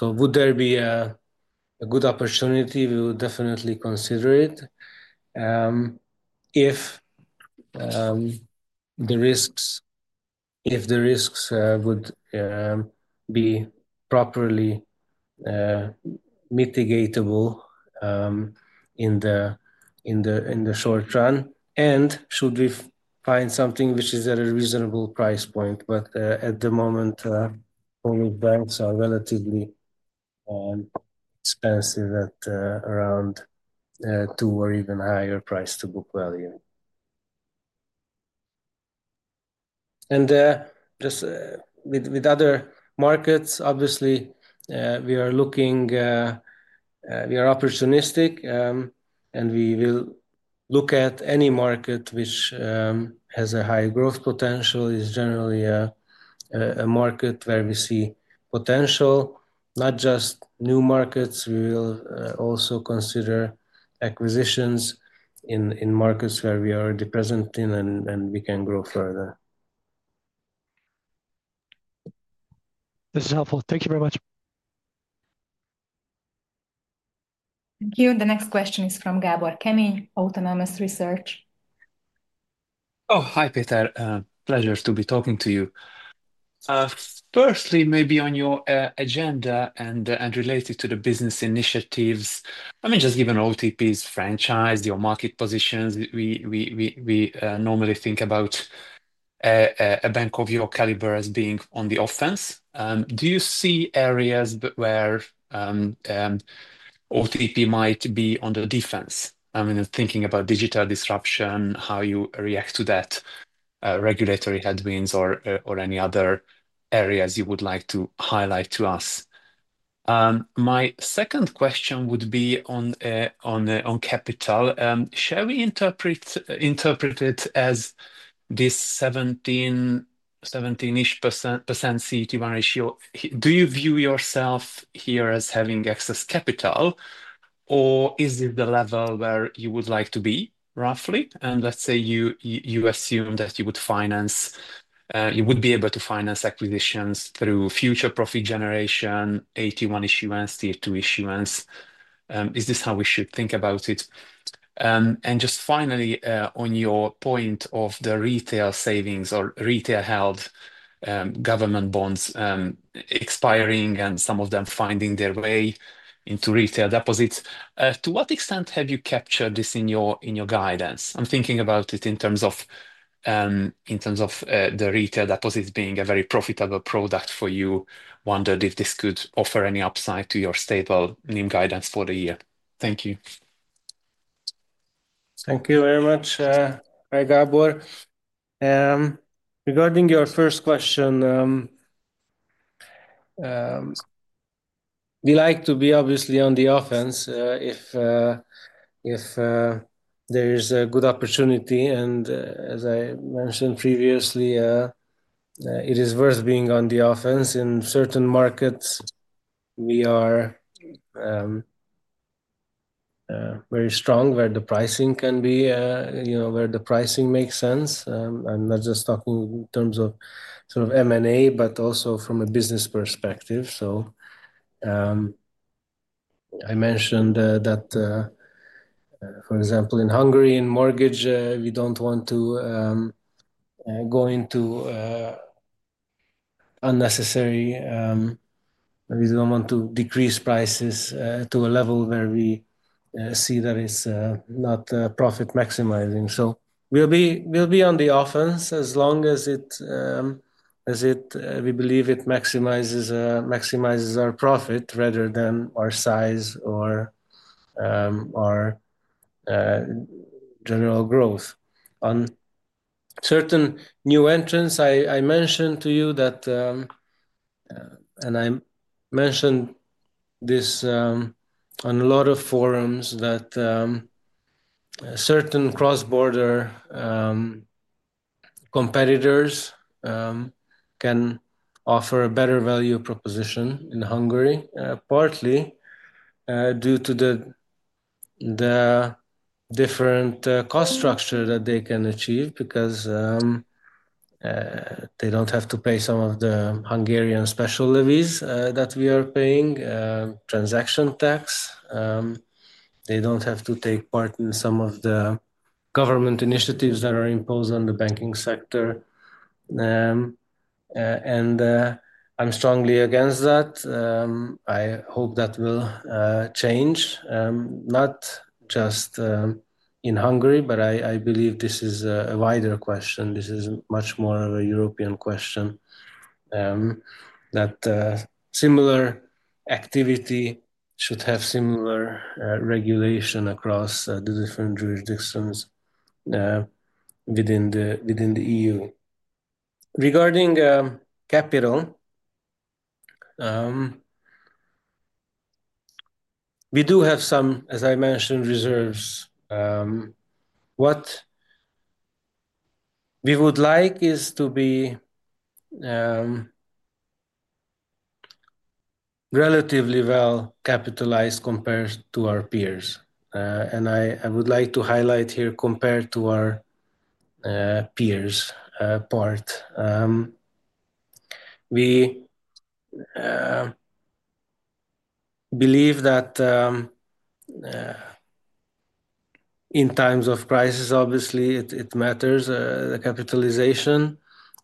Would there be a good opportunity? We would definitely consider it if the risks would be properly mitigatable in the short run. Should we find something which is at a reasonable price point? At the moment, Polish banks are relatively expensive at around two or even higher price to book value. Just with other markets, obviously, we are looking, we are opportunistic, and we will look at any market which has a high growth potential. It is generally a market where we see potential, not just new markets. We will also consider acquisitions in markets where we are already present in, and we can grow further. This is helpful. Thank you very much. Thank you. The next question is from Gábor Kemény, Autonomous Research. Oh, hi, Peter. Pleasure to be talking to you. Firstly, maybe on your agenda and related to the business initiatives, I mean, just given OTP's franchise, your market positions, we normally think about a bank of your caliber as being on the offense. Do you see areas where OTP might be on the defense? I mean, thinking about digital disruption, how you react to that, regulatory headwinds, or any other areas you would like to highlight to us. My second question would be on capital. Shall we interpret it as this 17%-ish CET1 ratio? Do you view yourself here as having excess capital, or is this the level where you would like to be, roughly? Let's say you assume that you would finance, you would be able to finance acquisitions through future profit generation, AT1 issuance, tier 2 issuance. Is this how we should think about it? Just finally, on your point of the retail savings or retail-held government bonds expiring and some of them finding their way into retail deposits, to what extent have you captured this in your guidance? I'm thinking about it in terms of the retail deposits being a very profitable product for you. Wondered if this could offer any upside to your stable name guidance for the year. Thank you. Thank you very much. Hi, Gábor. Regarding your first question, we like to be obviously on the offense if there is a good opportunity. As I mentioned previously, it is worth being on the offense. In certain markets, we are very strong where the pricing can be, where the pricing makes sense. I'm not just talking in terms of sort of M&A, but also from a business perspective. I mentioned that, for example, in Hungary in mortgage, we don't want to go into unnecessary, we don't want to decrease prices to a level where we see that it's not profit maximizing. We will be on the offense as long as we believe it maximizes our profit rather than our size or our general growth. On certain new entrants, I mentioned to you that, and I mentioned this on a lot of forums, that certain cross-border competitors can offer a better value proposition in Hungary, partly due to the different cost structure that they can achieve because they do not have to pay some of the Hungarian special levies that we are paying, transaction tax. They do not have to take part in some of the government initiatives that are imposed on the banking sector. I am strongly against that. I hope that will change, not just in Hungary, but I believe this is a wider question. This is much more of a European question, that similar activity should have similar regulation across the different jurisdictions within the EU. Regarding capital, we do have some, as I mentioned, reserves. What we would like is to be relatively well capitalized compared to our peers. I would like to highlight here compared to our peers part. We believe that in times of crisis, obviously, it matters, the capitalization.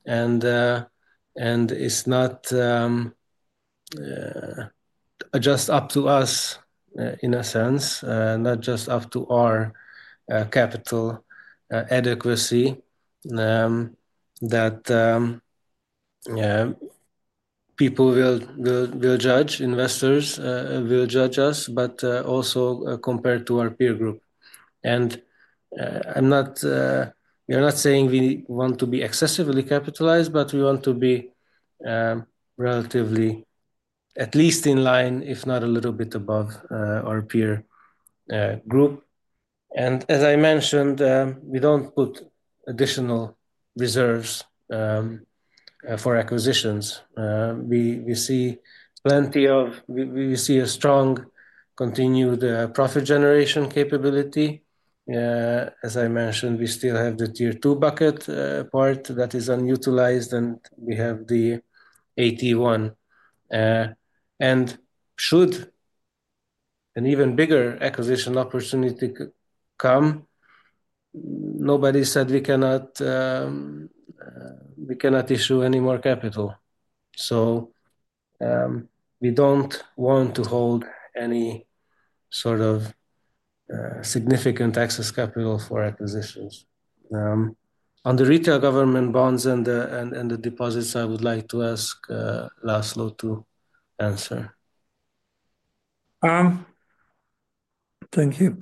It is not just up to us in a sense, not just up to our capital adequacy that people will judge, investors will judge us, but also compared to our peer group. We are not saying we want to be excessively capitalized, but we want to be relatively, at least in line, if not a little bit above our peer group. As I mentioned, we do not put additional reserves for acquisitions. We see plenty of, we see a strong continued profit generation capability. As I mentioned, we still have the tier 2 bucket part that is unutilized, and we have the 81. Should an even bigger acquisition opportunity come, nobody said we cannot issue any more capital. We do not want to hold any sort of significant excess capital for acquisitions. On the retail government bonds and the deposits, I would like to ask László to answer. Thank you.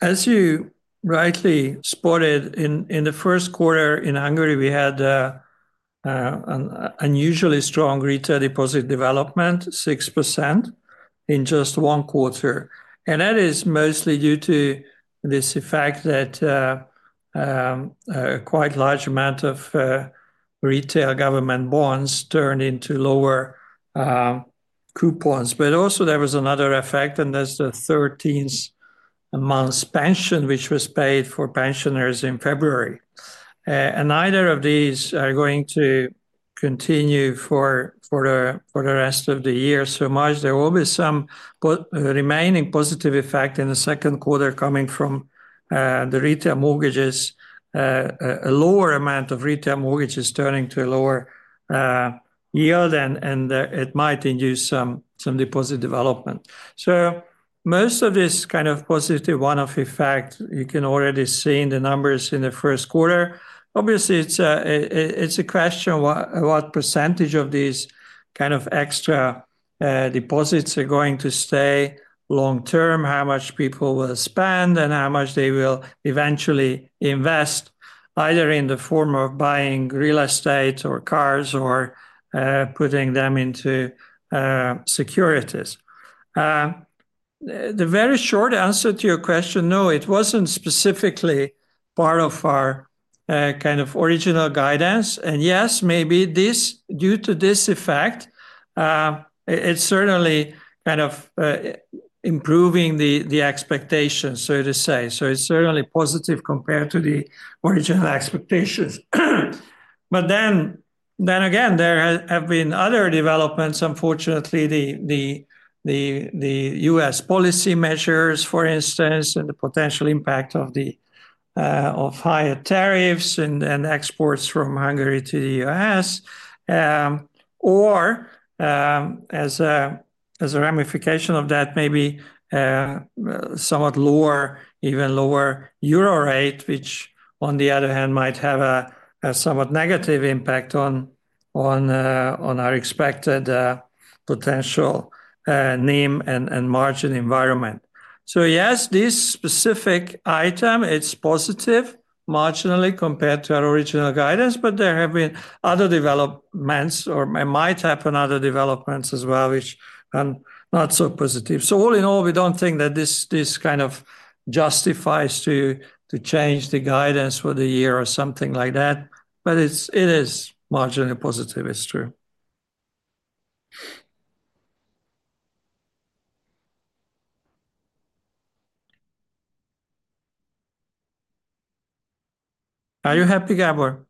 As you rightly spotted, in the first quarter in Hungary, we had an unusually strong retail deposit development, 6%, in just one quarter. That is mostly due to the fact that quite a large amount of retail government bonds turned into lower coupons. Also, there was another effect, and that is the 13th month's pension, which was paid for pensioners in February. Neither of these are going to continue for the rest of the year so much. There will be some remaining positive effect in the second quarter coming from the retail mortgages, a lower amount of retail mortgages turning to a lower yield, and it might induce some deposit development. Most of this kind of positive one-off effect, you can already see in the numbers in the first quarter. Obviously, it's a question of what percentage of these kind of extra deposits are going to stay long-term, how much people will spend, and how much they will eventually invest, either in the form of buying real estate or cars or putting them into securities. The very short answer to your question, no, it wasn't specifically part of our kind of original guidance. Yes, maybe due to this effect, it's certainly kind of improving the expectations, so to say. It is certainly positive compared to the original expectations. But then again, there have been other developments, unfortunately, the U.S. policy measures, for instance, and the potential impact of higher tariffs and exports from Hungary to the U.S., or as a ramification of that, maybe somewhat lower, even lower euro rate, which on the other hand might have a somewhat negative impact on our expected potential NIM and margin environment. Yes, this specific item, it's positive marginally compared to our original guidance, but there have been other developments or might happen other developments as well, which are not so positive. All in all, we don't think that this kind of justifies to change the guidance for the year or something like that. It is marginally positive, it's true. Are you happy, Gábor?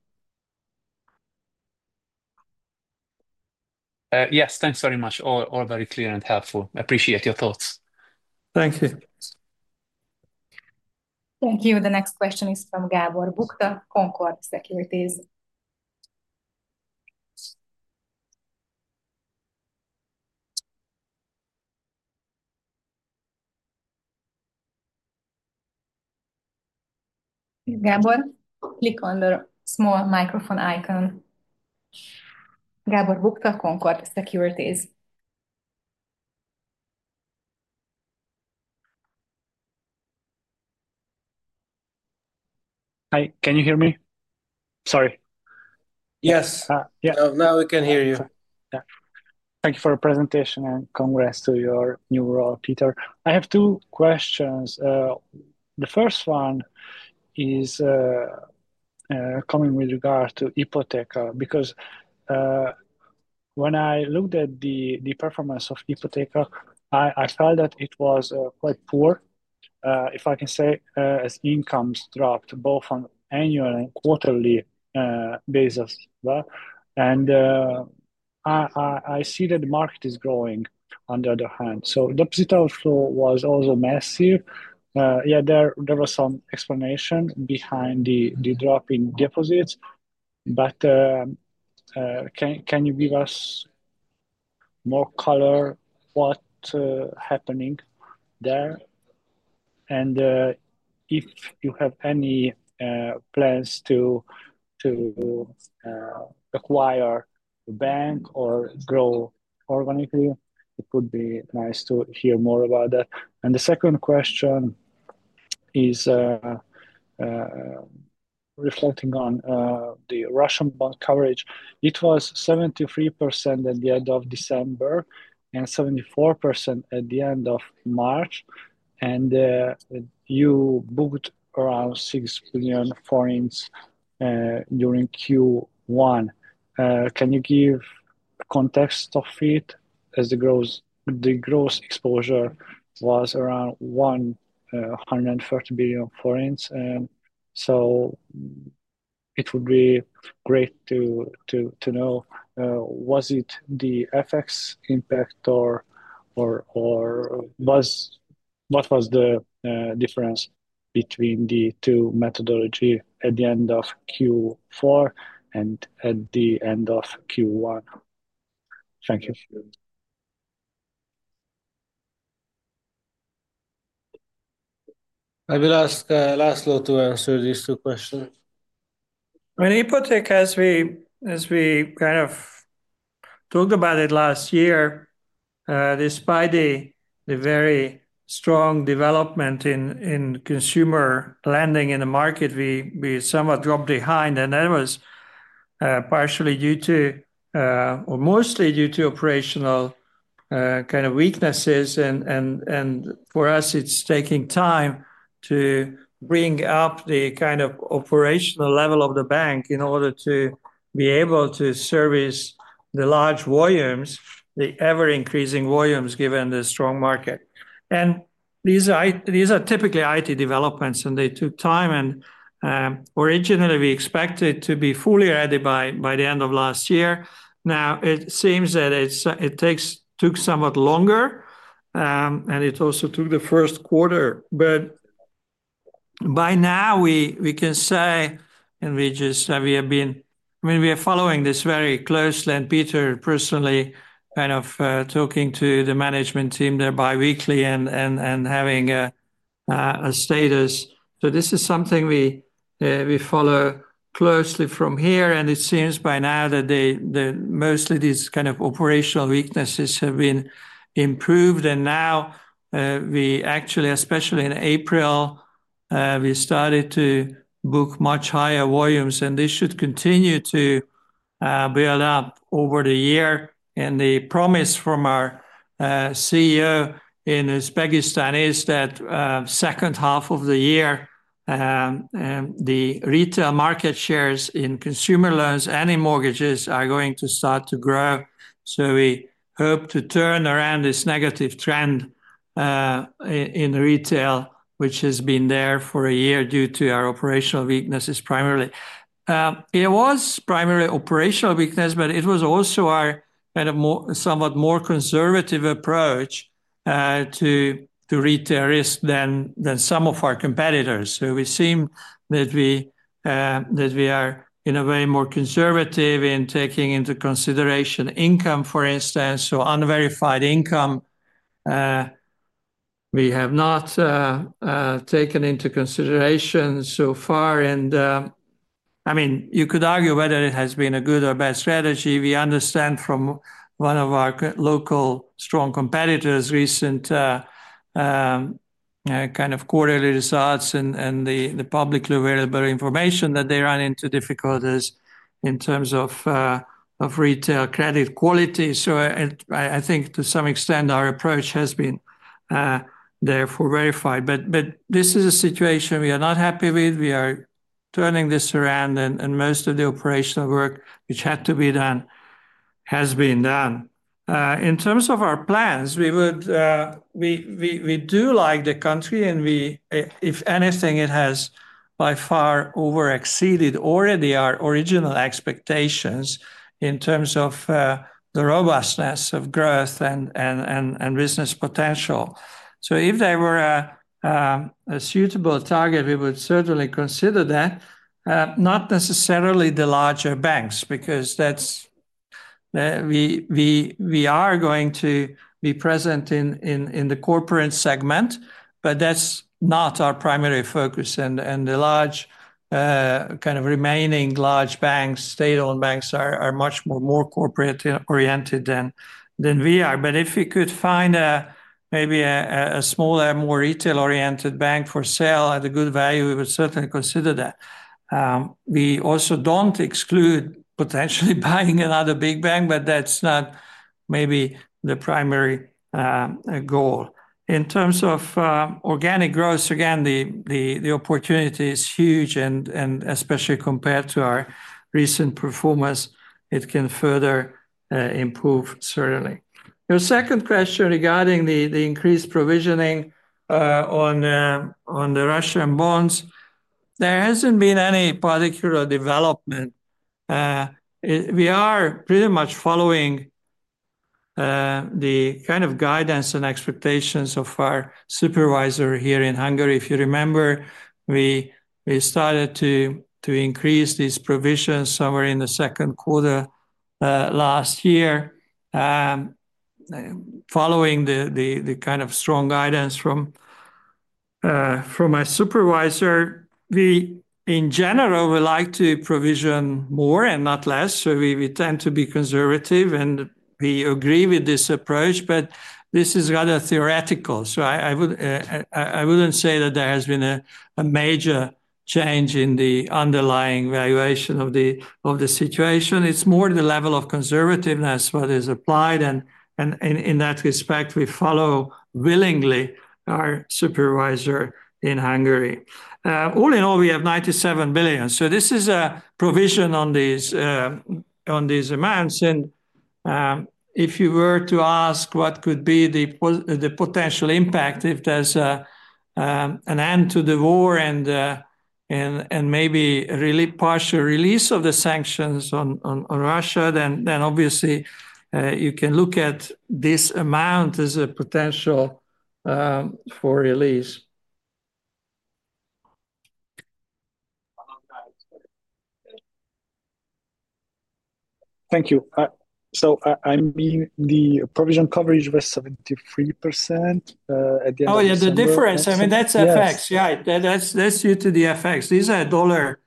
Yes, thanks very much. All very clear and helpful. Appreciate your thoughts. Thank you. Thank you. The next question is from Gábor Bukta, Concorde Securities. Gábor, click on the small microphone icon. Gábor Bukta, Concorde Securities. Hi, can you hear me? Sorry. Yes. Now we can hear you. Thank you for the presentation, and congrats to your new role, Peter. I have two questions. The first one is coming with regard to Ipoteka because when I looked at the performance of Ipoteka, I felt that it was quite poor, if I can say, as incomes dropped both on annual and quarterly basis. I see that the market is growing on the other hand. The upside outflow was also massive. Yeah, there was some explanation behind the drop in deposits. Can you give us more color what's happening there? If you have any plans to acquire a bank or grow organically, it would be nice to hear more about that. The second question is reflecting on the Russian bond coverage. It was 73% at the end of December and 74% at the end of March. You booked around 6 billion during Q1. Can you give context of it as the gross exposure was around 130 billion forints? It would be great to know, was it the effects impact or what was the difference between the two methodologies at the end of Q4 and at the end of Q1? Thank you. I will ask László to answer these two questions. I mean, Ipoteka, as we kind of talked about it last year, despite the very strong development in consumer lending in the market, we somewhat dropped behind. That was partially due to or mostly due to operational kind of weaknesses. For us, it's taking time to bring up the kind of operational level of the bank in order to be able to service the large volumes, the ever-increasing volumes given the strong market. These are typically IT developments, and they took time. Originally, we expected to be fully ready by the end of last year. Now, it seems that it took somewhat longer, and it also took the first quarter. By now, we can say, and we just said we have been, I mean, we are following this very closely. Peter personally kind of talking to the management team there biweekly and having a status. This is something we follow closely from here. It seems by now that mostly these kind of operational weaknesses have been improved. Now, we actually, especially in April, started to book much higher volumes. This should continue to build up over the year. The promise from our CEO in Uzbekistan is that in the second half of the year, the retail market shares in consumer loans and in mortgages are going to start to grow. We hope to turn around this negative trend in retail, which has been there for a year due to our operational weaknesses primarily. It was primarily operational weakness, but it was also our kind of somewhat more conservative approach to retail risk than some of our competitors. We seem to be in a way more conservative in taking into consideration income, for instance. Unverified income, we have not taken into consideration so far. I mean, you could argue whether it has been a good or bad strategy. We understand from one of our local strong competitors' recent kind of quarterly results and the publicly available information that they run into difficulties in terms of retail credit quality. I think to some extent, our approach has been therefore verified. This is a situation we are not happy with. We are turning this around, and most of the operational work which had to be done has been done. In terms of our plans, we do like the country, and if anything, it has by far overexceeded already our original expectations in terms of the robustness of growth and business potential. If there were a suitable target, we would certainly consider that, not necessarily the larger banks, because we are going to be present in the corporate segment, but that's not our primary focus. The large kind of remaining large banks, state-owned banks, are much more corporate-oriented than we are. If we could find maybe a smaller, more retail-oriented bank for sale at a good value, we would certainly consider that. We also do not exclude potentially buying another big bank, but that is not maybe the primary goal. In terms of organic growth, again, the opportunity is huge, and especially compared to our recent performance, it can further improve, certainly. Your second question regarding the increased provisioning on the Russian bonds, there has not been any particular development. We are pretty much following the kind of guidance and expectations of our supervisor here in Hungary. If you remember, we started to increase these provisions somewhere in the second quarter last year. Following the kind of strong guidance from my supervisor, we, in general, would like to provision more and not less. We tend to be conservative, and we agree with this approach, but this is rather theoretical. I would not say that there has been a major change in the underlying valuation of the situation. It is more the level of conservativeness that is applied. In that respect, we follow willingly our supervisor in Hungary. All in all, we have 97 billion. This is a provision on these amounts. If you were to ask what could be the potential impact if there is an end to the war and maybe a really partial release of the sanctions on Russia, then obviously, you can look at this amount as a potential for release. Thank you. I mean, the provision coverage was 73% at the end of the year. Oh, yeah, the difference. I mean, that is FX. Yeah, that is due to the FX. These are dollar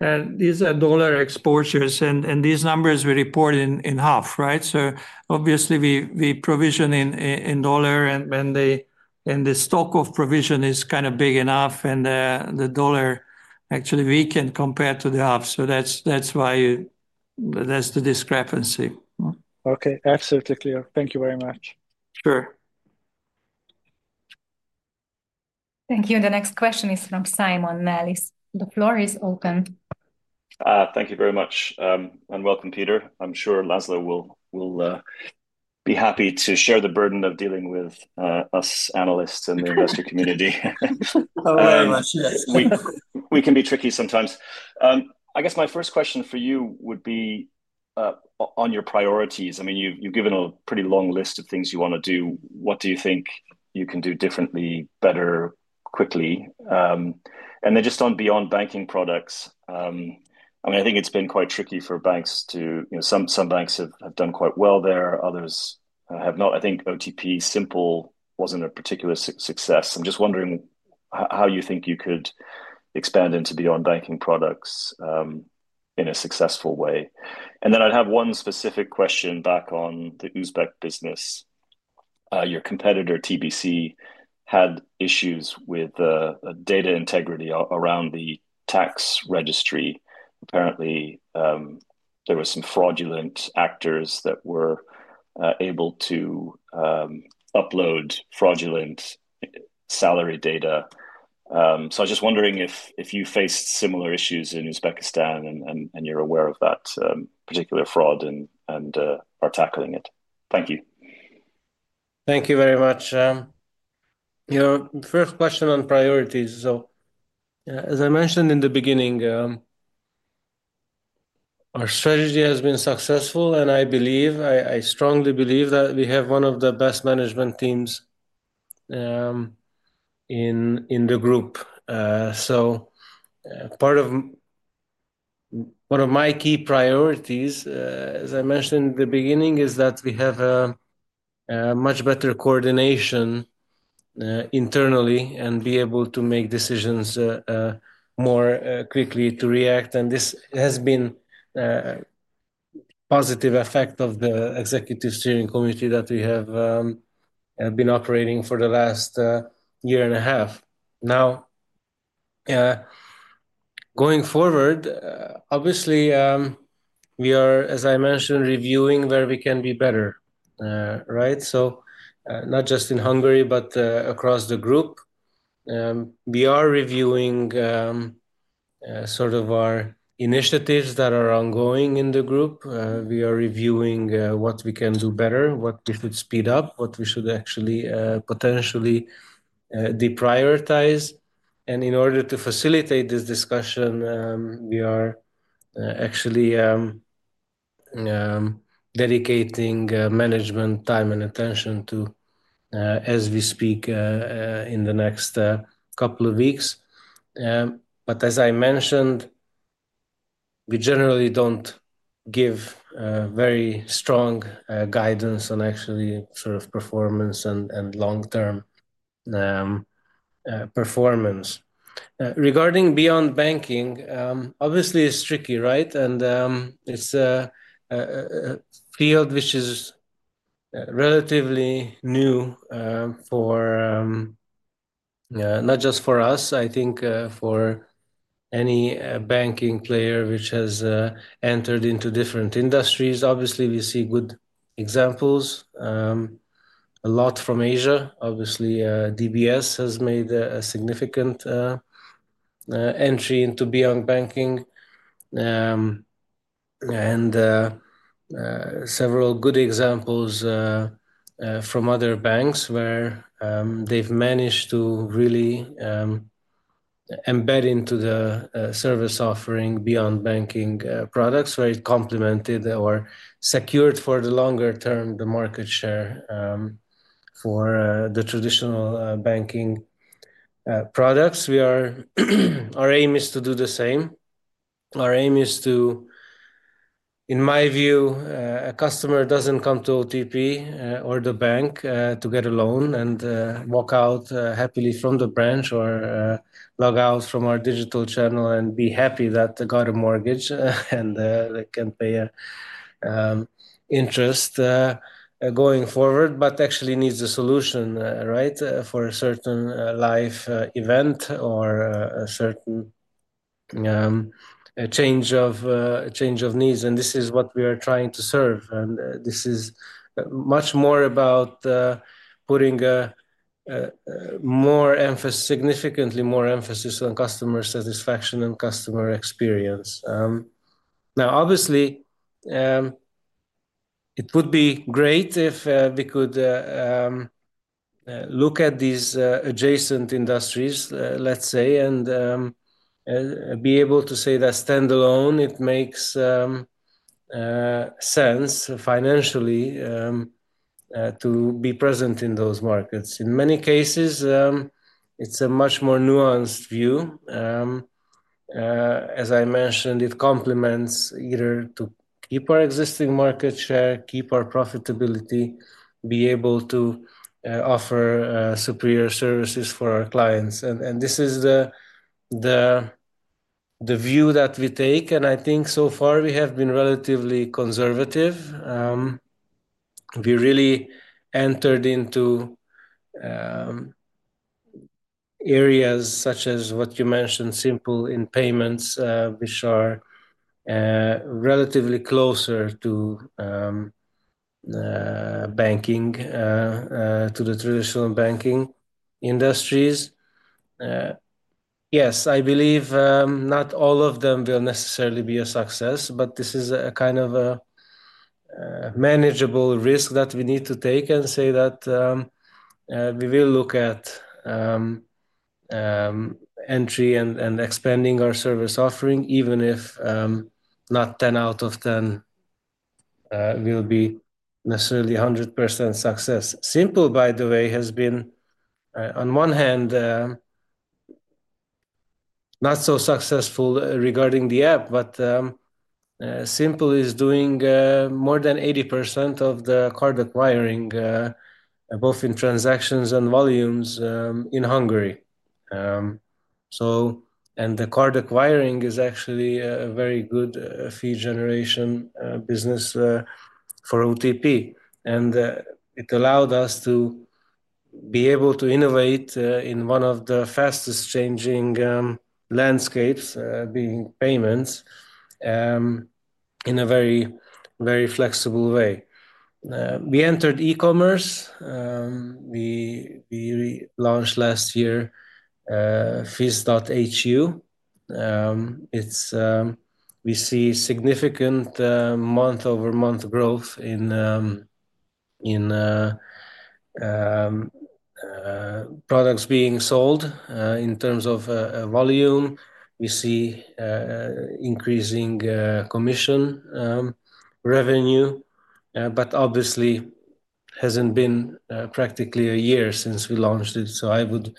exposures, and these numbers we report in half, right? Obviously, we provision in dollar, and the stock of provision is kind of big enough, and the dollar actually weakened compared to the half. That is why that is the discrepancy. Okay, absolutely clear. Thank you very much. Sure. Thank you. The next question is from Simon Melis. The floor is open. Thank you very much. Welcome, Peter. I am sure László will be happy to share the burden of dealing with us analysts and the investor community. We can be tricky sometimes. I guess my first question for you would be on your priorities. I mean, you have given a pretty long list of things you want to do. What do you think you can do differently, better, quickly? They just are not beyond banking products. I mean, I think it's been quite tricky for banks to, some banks have done quite well there. Others have not. I think OTP Simple wasn't a particular success. I'm just wondering how you think you could expand into beyond banking products in a successful way. I have one specific question back on the Uzbek business. Your competitor, TBC, had issues with data integrity around the tax registry. Apparently, there were some fraudulent actors that were able to upload fraudulent salary data. I was just wondering if you faced similar issues in Uzbekistan and you're aware of that particular fraud and are tackling it. Thank you. Thank you very much. Your first question on priorities. As I mentioned in the beginning, our strategy has been successful, and I believe, I strongly believe that we have one of the best management teams in the group. One of my key priorities, as I mentioned in the beginning, is that we have much better coordination internally and be able to make decisions more quickly to react. This has been a positive effect of the Executive Steering Committee that we have been operating for the last year and a half. Now, going forward, obviously, we are, as I mentioned, reviewing where we can be better, right? Not just in Hungary, but across the group. We are reviewing sort of our initiatives that are ongoing in the group. We are reviewing what we can do better, what we should speed up, what we should actually potentially deprioritize. In order to facilitate this discussion, we are actually dedicating management time and attention to it as we speak in the next couple of weeks. As I mentioned, we generally do not give very strong guidance on actually sort of performance and long-term performance. Regarding beyond banking, obviously, it is tricky, right? It is a field which is relatively new not just for us, I think for any banking player which has entered into different industries. Obviously, we see good examples, a lot from Asia. Obviously, DBS has made a significant entry into beyond banking and several good examples from other banks where they have managed to really embed into the service offering beyond banking products where it complemented or secured for the longer term the market share for the traditional banking products. Our aim is to do the same. Our aim is to, in my view, a customer doesn't come to OTP or the bank to get a loan and walk out happily from the branch or log out from our digital channel and be happy that they got a mortgage and they can pay interest going forward, but actually needs a solution, right, for a certain life event or a certain change of needs. This is what we are trying to serve. This is much more about putting significantly more emphasis on customer satisfaction and customer experience. Now, obviously, it would be great if we could look at these adjacent industries, let's say, and be able to say that standalone, it makes sense financially to be present in those markets. In many cases, it's a much more nuanced view. As I mentioned, it complements either to keep our existing market share, keep our profitability, be able to offer superior services for our clients. This is the view that we take. I think so far, we have been relatively conservative. We really entered into areas such as what you mentioned, Simple in payments, which are relatively closer to banking, to the traditional banking industries. Yes, I believe not all of them will necessarily be a success, but this is a kind of a manageable risk that we need to take and say that we will look at entry and expanding our service offering, even if not 10 out of 10 will be necessarily 100% success. Simple, by the way, has been, on one hand, not so successful regarding the app, but Simple is doing more than 80% of the card acquiring, both in transactions and volumes in Hungary. The card acquiring is actually a very good fee generation business for OTP. It allowed us to be able to innovate in one of the fastest changing landscapes, being payments, in a very, very flexible way. We entered e-commerce. We launched last year Fizz.hu. We see significant month-over-month growth in products being sold. In terms of volume, we see increasing commission revenue, but obviously, it has not been practically a year since we launched it. I would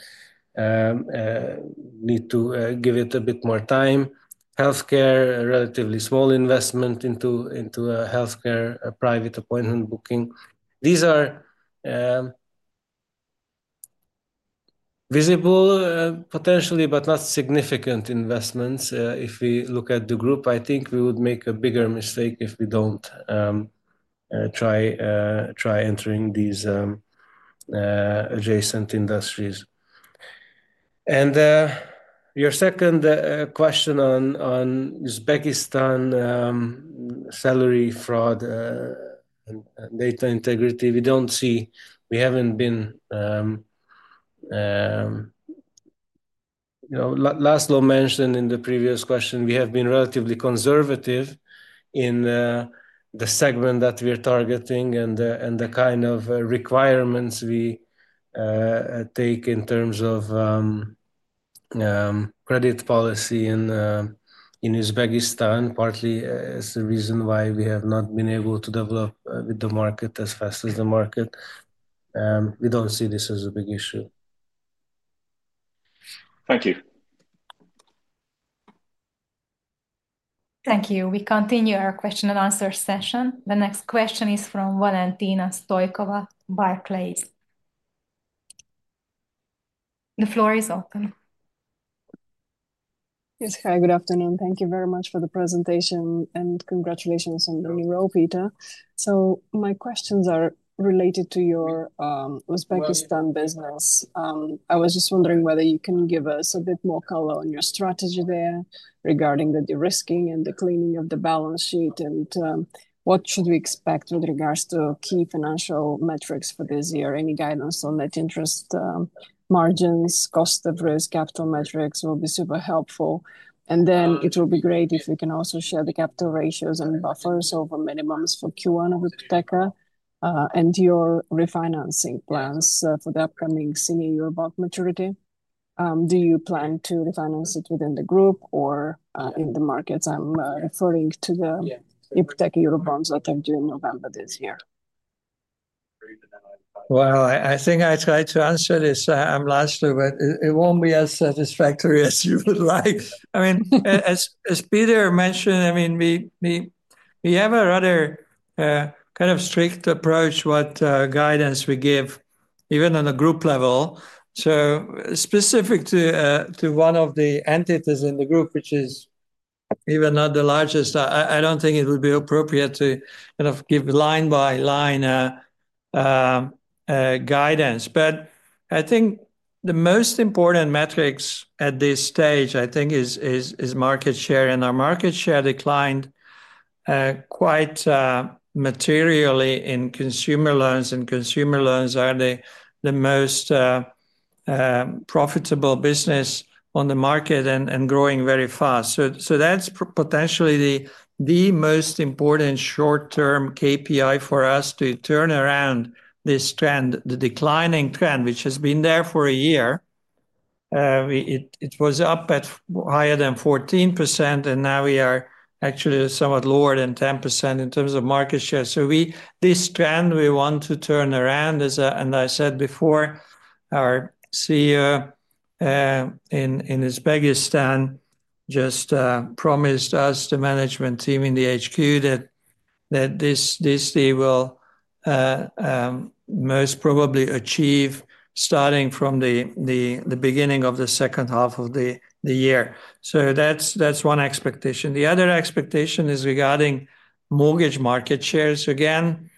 need to give it a bit more time. Healthcare, a relatively small investment into a healthcare private appointment booking. These are visible, potentially, but not significant investments. If we look at the group, I think we would make a bigger mistake if we do not try entering these adjacent industries. Your second question on Uzbekistan salary fraud and data integrity, we do not see, we have not been, László mentioned in the previous question, we have been relatively conservative in the segment that we are targeting and the kind of requirements we take in terms of credit policy in Uzbekistan, partly as the reason why we have not been able to develop with the market as fast as the market. We do not see this as a big issue. Thank you. Thank you. We continue our question and answer session. The next question is from Valentina Stoikova, Barclays. The floor is open. Yes. Hi, good afternoon. Thank you very much for the presentation and congratulations on the new role, Peter. My questions are related to your Uzbekistan business. I was just wondering whether you can give us a bit more color on your strategy there regarding the de-risking and the cleaning of the balance sheet and what should we expect with regards to key financial metrics for this year. Any guidance on net interest margins, cost of risk, capital metrics will be super helpful. It will be great if we can also share the capital ratios and buffers over minimums for Q1 of Ipoteka and your refinancing plans for the upcoming senior year-bond maturity. Do you plan to refinance it within the group or in the markets? I'm referring to the Ipoteka year-bonds that are due in November this year. I think I tried to answer this. I'm László, but it won't be as satisfactory as you would like. I mean, as Peter mentioned, I mean, we have a rather kind of strict approach to what guidance we give, even on a group level. Specific to one of the entities in the group, which is even not the largest, I do not think it would be appropriate to kind of give line-by-line guidance. I think the most important metrics at this stage, I think, is market share. Our market share declined quite materially in consumer loans, and consumer loans are the most profitable business on the market and growing very fast. That is potentially the most important short-term KPI for us to turn around this trend, the declining trend, which has been there for a year. It was up at higher than 14%, and now we are actually somewhat lower than 10% in terms of market share. This trend, we want to turn around. As I said before, our CEO in Uzbekistan just promised us, the management team in the HQ, that they will most probably achieve this starting from the beginning of the second half of the year. That is one expectation. The other expectation is regarding mortgage market shares. Again,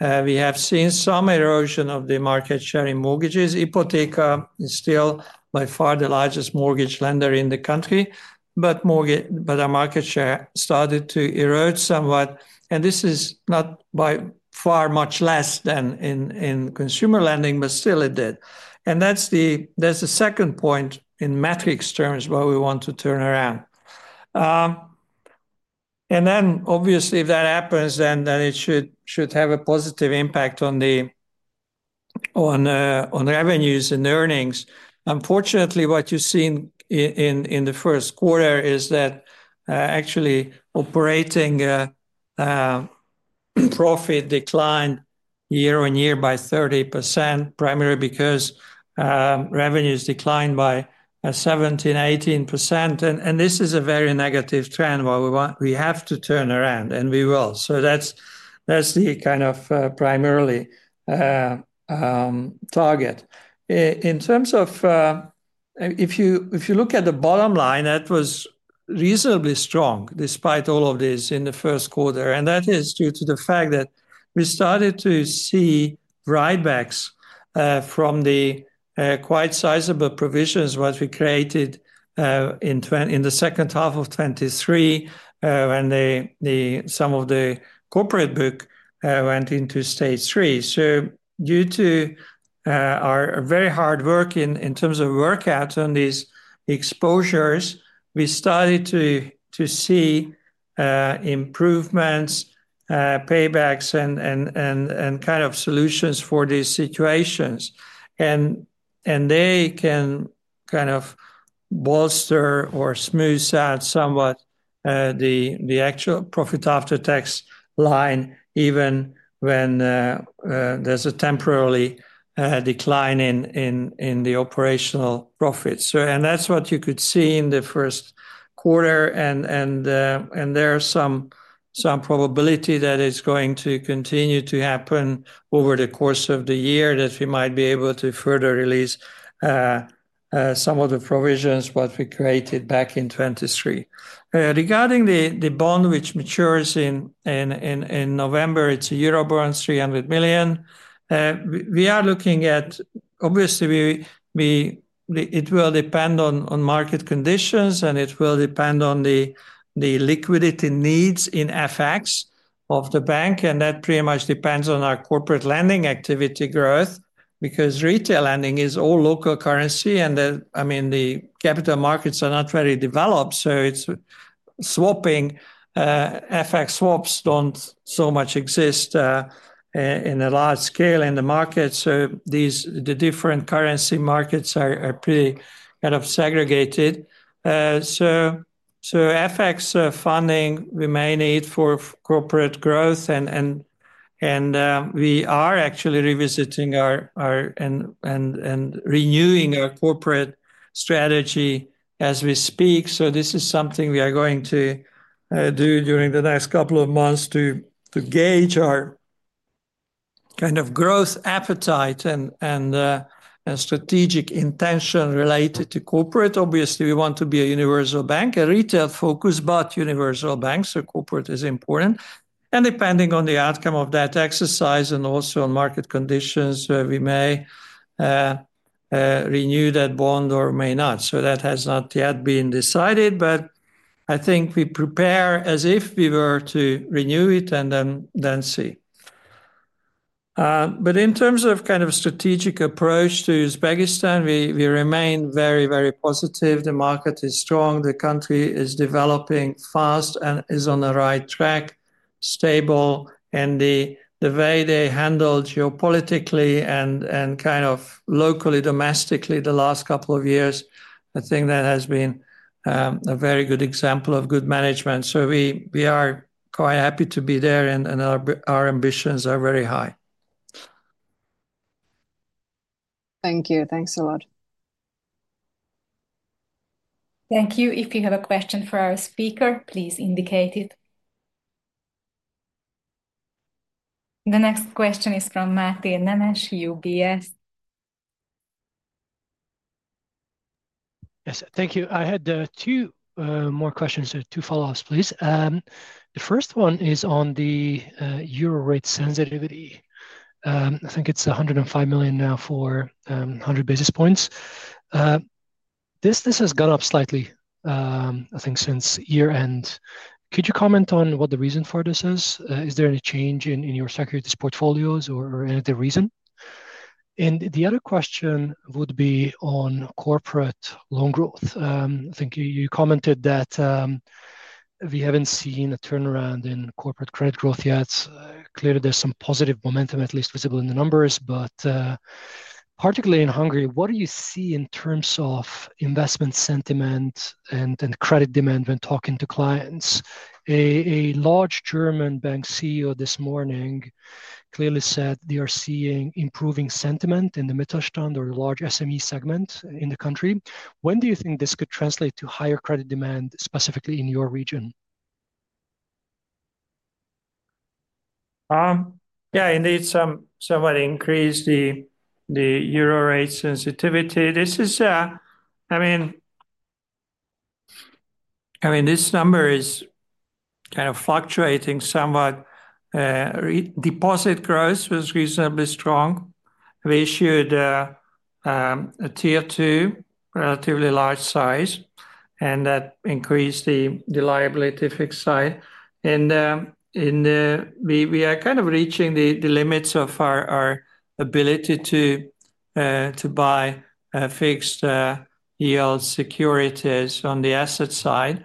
we have seen some erosion of the market share in mortgages. Ipoteka is still by far the largest mortgage lender in the country, but our market share started to erode somewhat. This is not by far much less than in consumer lending, but still it did. That is the second point in metrics terms where we want to turn around. Obviously, if that happens, then it should have a positive impact on revenues and earnings. Unfortunately, what you've seen in the first quarter is that actually operating profit declined year on year by 30%, primarily because revenues declined by 17-18%. This is a very negative trend where we have to turn around, and we will. That's the kind of primarily target. In terms of if you look at the bottom line, that was reasonably strong despite all of this in the first quarter. That is due to the fact that we started to see write-backs from the quite sizable provisions that we created in the second half of 2023 when some of the corporate book went into stage three. Due to our very hard work in terms of work out on these exposures, we started to see improvements, paybacks, and kind of solutions for these situations. They can kind of bolster or smooth out somewhat the actual profit after tax line even when there is a temporary decline in the operational profits. That is what you could see in the first quarter. There is some probability that it is going to continue to happen over the course of the year that we might be able to further release some of the provisions that we created back in 2023. Regarding the bond which matures in November, it is a year-bound, 300 million euro. We are looking at, obviously, it will depend on market conditions, and it will depend on the liquidity needs in FX of the bank. That pretty much depends on our corporate lending activity growth because retail lending is all local currency. I mean, the capital markets are not very developed, so it is swapping. FX swaps do not so much exist in a large scale in the market. The different currency markets are pretty kind of segregated. FX funding, we may need for corporate growth. We are actually revisiting and renewing our corporate strategy as we speak. This is something we are going to do during the next couple of months to gauge our kind of growth appetite and strategic intention related to corporate. Obviously, we want to be a universal bank, a retail-focused but universal bank. Corporate is important. Depending on the outcome of that exercise and also on market conditions, we may renew that bond or may not. That has not yet been decided, but I think we prepare as if we were to renew it and then see. In terms of kind of strategic approach to Uzbekistan, we remain very, very positive. The market is strong. The country is developing fast and is on the right track, stable. The way they handled geopolitically and kind of locally, domestically the last couple of years, I think that has been a very good example of good management. We are quite happy to be there, and our ambitions are very high. Thank you. Thanks a lot. Thank you. If you have a question for our speaker, please indicate it. The next question is from Máté Nemes, UBS. Yes. Thank you. I had two more questions, two follow-ups, please. The first one is on the euro rate sensitivity. I think it is 105 million now for 100 basis points. This has gone up slightly, I think, since year-end. Could you comment on what the reason for this is? Is there any change in your securities portfolios or any other reason? The other question would be on corporate loan growth. I think you commented that we haven't seen a turnaround in corporate credit growth yet. Clearly, there's some positive momentum, at least visible in the numbers, but particularly in Hungary, what do you see in terms of investment sentiment and credit demand when talking to clients? A large German bank CEO this morning clearly said they are seeing improving sentiment in the Mittelstand or the large SME segment in the country. When do you think this could translate to higher credit demand, specifically in your region? Yeah. Indeed, somewhat increased the euro rate sensitivity. I mean, this number is kind of fluctuating somewhat. Deposit growth was reasonably strong. We issued a tier two, relatively large size, and that increased the liability fixed side. We are kind of reaching the limits of our ability to buy fixed yield securities on the asset side,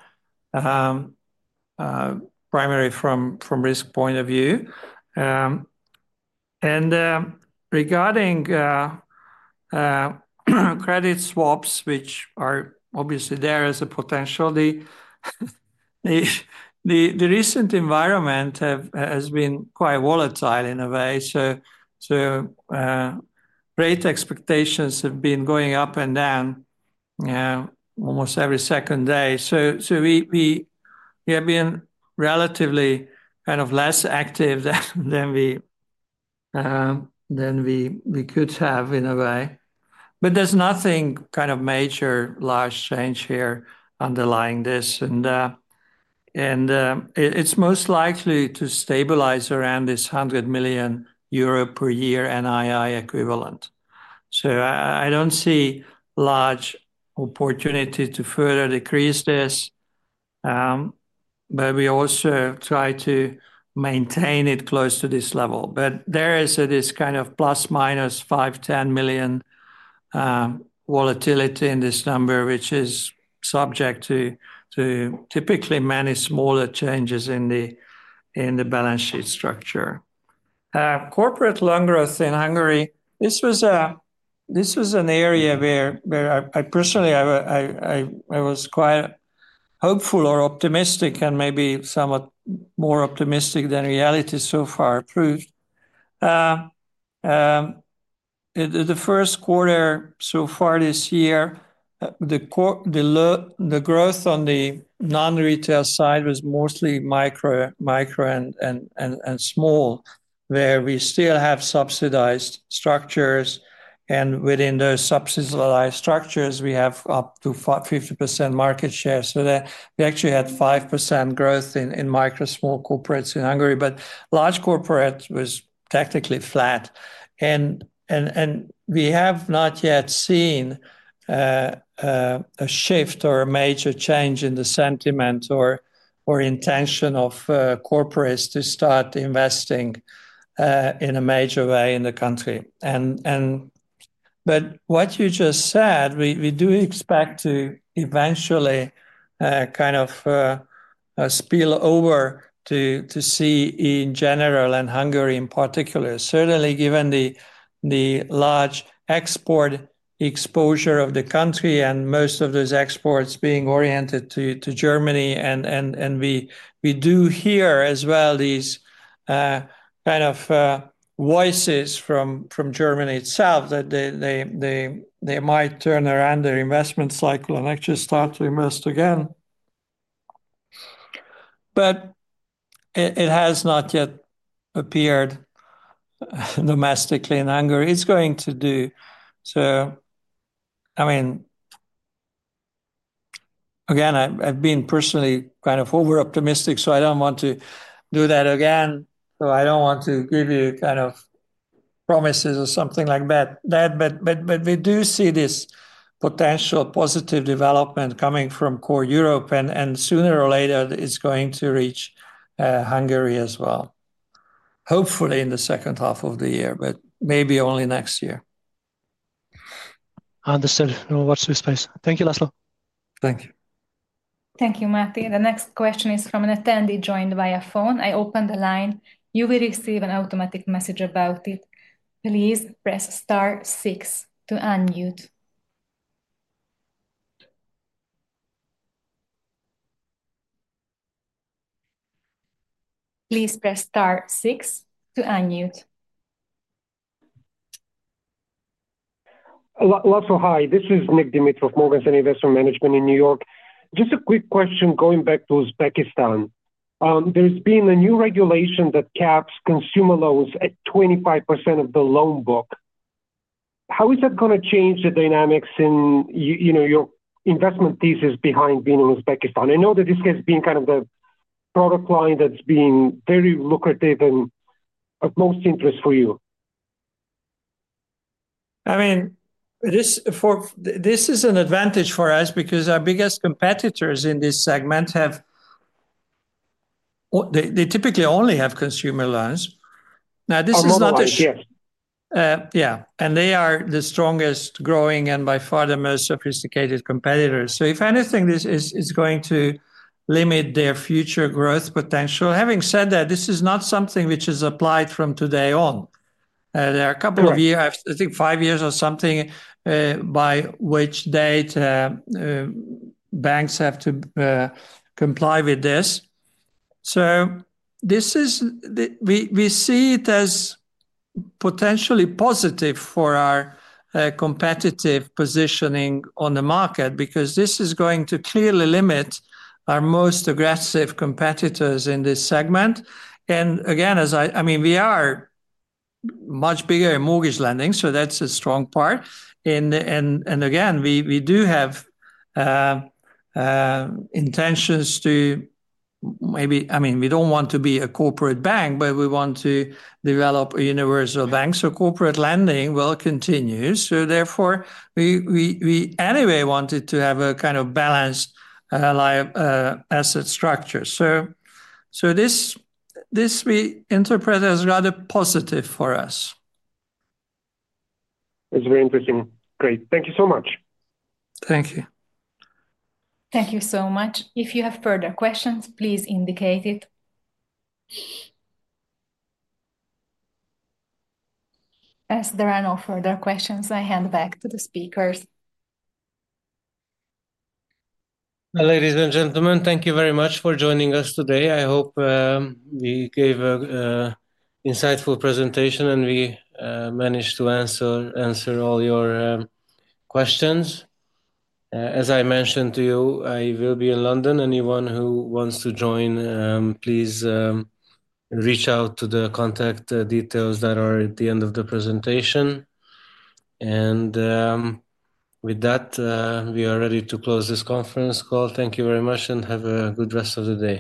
primarily from a risk point of view. Regarding credit swaps, which are obviously there as a potential, the recent environment has been quite volatile in a way. Rate expectations have been going up and down almost every second day. We have been relatively kind of less active than we could have in a way. There is nothing major, large change here underlying this. It is most likely to stabilize around this 100 million euro per year NII equivalent. I do not see a large opportunity to further decrease this. We also try to maintain it close to this level. There is this kind of plus-minus 5 million-10 million volatility in this number, which is subject to typically many smaller changes in the balance sheet structure. Corporate loan growth in Hungary, this was an area where I personally was quite hopeful or optimistic and maybe somewhat more optimistic than reality so far proved. The first quarter so far this year, the growth on the non-retail side was mostly micro and small, where we still have subsidized structures. Within those subsidized structures, we have up to 50% market share. We actually had 5% growth in micro small corporates in Hungary, but large corporate was technically flat. We have not yet seen a shift or a major change in the sentiment or intention of corporates to start investing in a major way in the country. What you just said, we do expect to eventually kind of spill over to CEE in general and Hungary in particular, certainly given the large export exposure of the country and most of those exports being oriented to Germany. We do hear as well these kind of voices from Germany itself that they might turn around their investment cycle and actually start to invest again. It has not yet appeared domestically in Hungary. It is going to do so. I mean, again, I have been personally kind of over-optimistic, so I do not want to do that again. I do not want to give you kind of promises or something like that. We do see this potential positive development coming from core Europe. Sooner or later, it is going to reach Hungary as well, hopefully in the second half of the year, but maybe only next year. Understood. We'll watch this space. Thank you, László. Thank you. Thank you, Máté. The next question is from an attendee joined via phone. I opened the line. You will receive an automatic message about it. Please press star six to unmute. Please press star six to unmute. László, hi. This is Nick Dimitrov, Morgan Stanley Investment Management in New York. Just a quick question going back to Uzbekistan. There's been a new regulation that caps consumer loans at 25% of the loan book. How is that going to change the dynamics in your investment thesis behind being in Uzbekistan? I know that this has been kind of the product line that's been very lucrative and of most interest for you. I mean, this is an advantage for us because our biggest competitors in this segment have they typically only have consumer loans. Now, this is not a —Oh, the market share. Yeah. They are the strongest growing and by far the most sophisticated competitors. If anything, this is going to limit their future growth potential. Having said that, this is not something which is applied from today on. There are a couple of years, I think five years or something, by which date banks have to comply with this. We see it as potentially positive for our competitive positioning on the market because this is going to clearly limit our most aggressive competitors in this segment. I mean, we are much bigger in mortgage lending, so that is a strong part. We do have intentions to maybe—I mean, we do not want to be a corporate bank, but we want to develop a universal bank. Corporate lending will continue. Therefore, we anyway wanted to have a kind of balanced asset structure. This we interpret as rather positive for us. It's very interesting. Great. Thank you so much. Thank you. If you have further questions, please indicate it. As there are no further questions, I hand back to the speakers. Ladies and gentlemen, thank you very much for joining us today. I hope we gave an insightful presentation and we managed to answer all your questions. As I mentioned to you, I will be in London. Anyone who wants to join, please reach out to the contact details that are at the end of the presentation. With that, we are ready to close this conference call. Thank you very much and have a good rest of the day.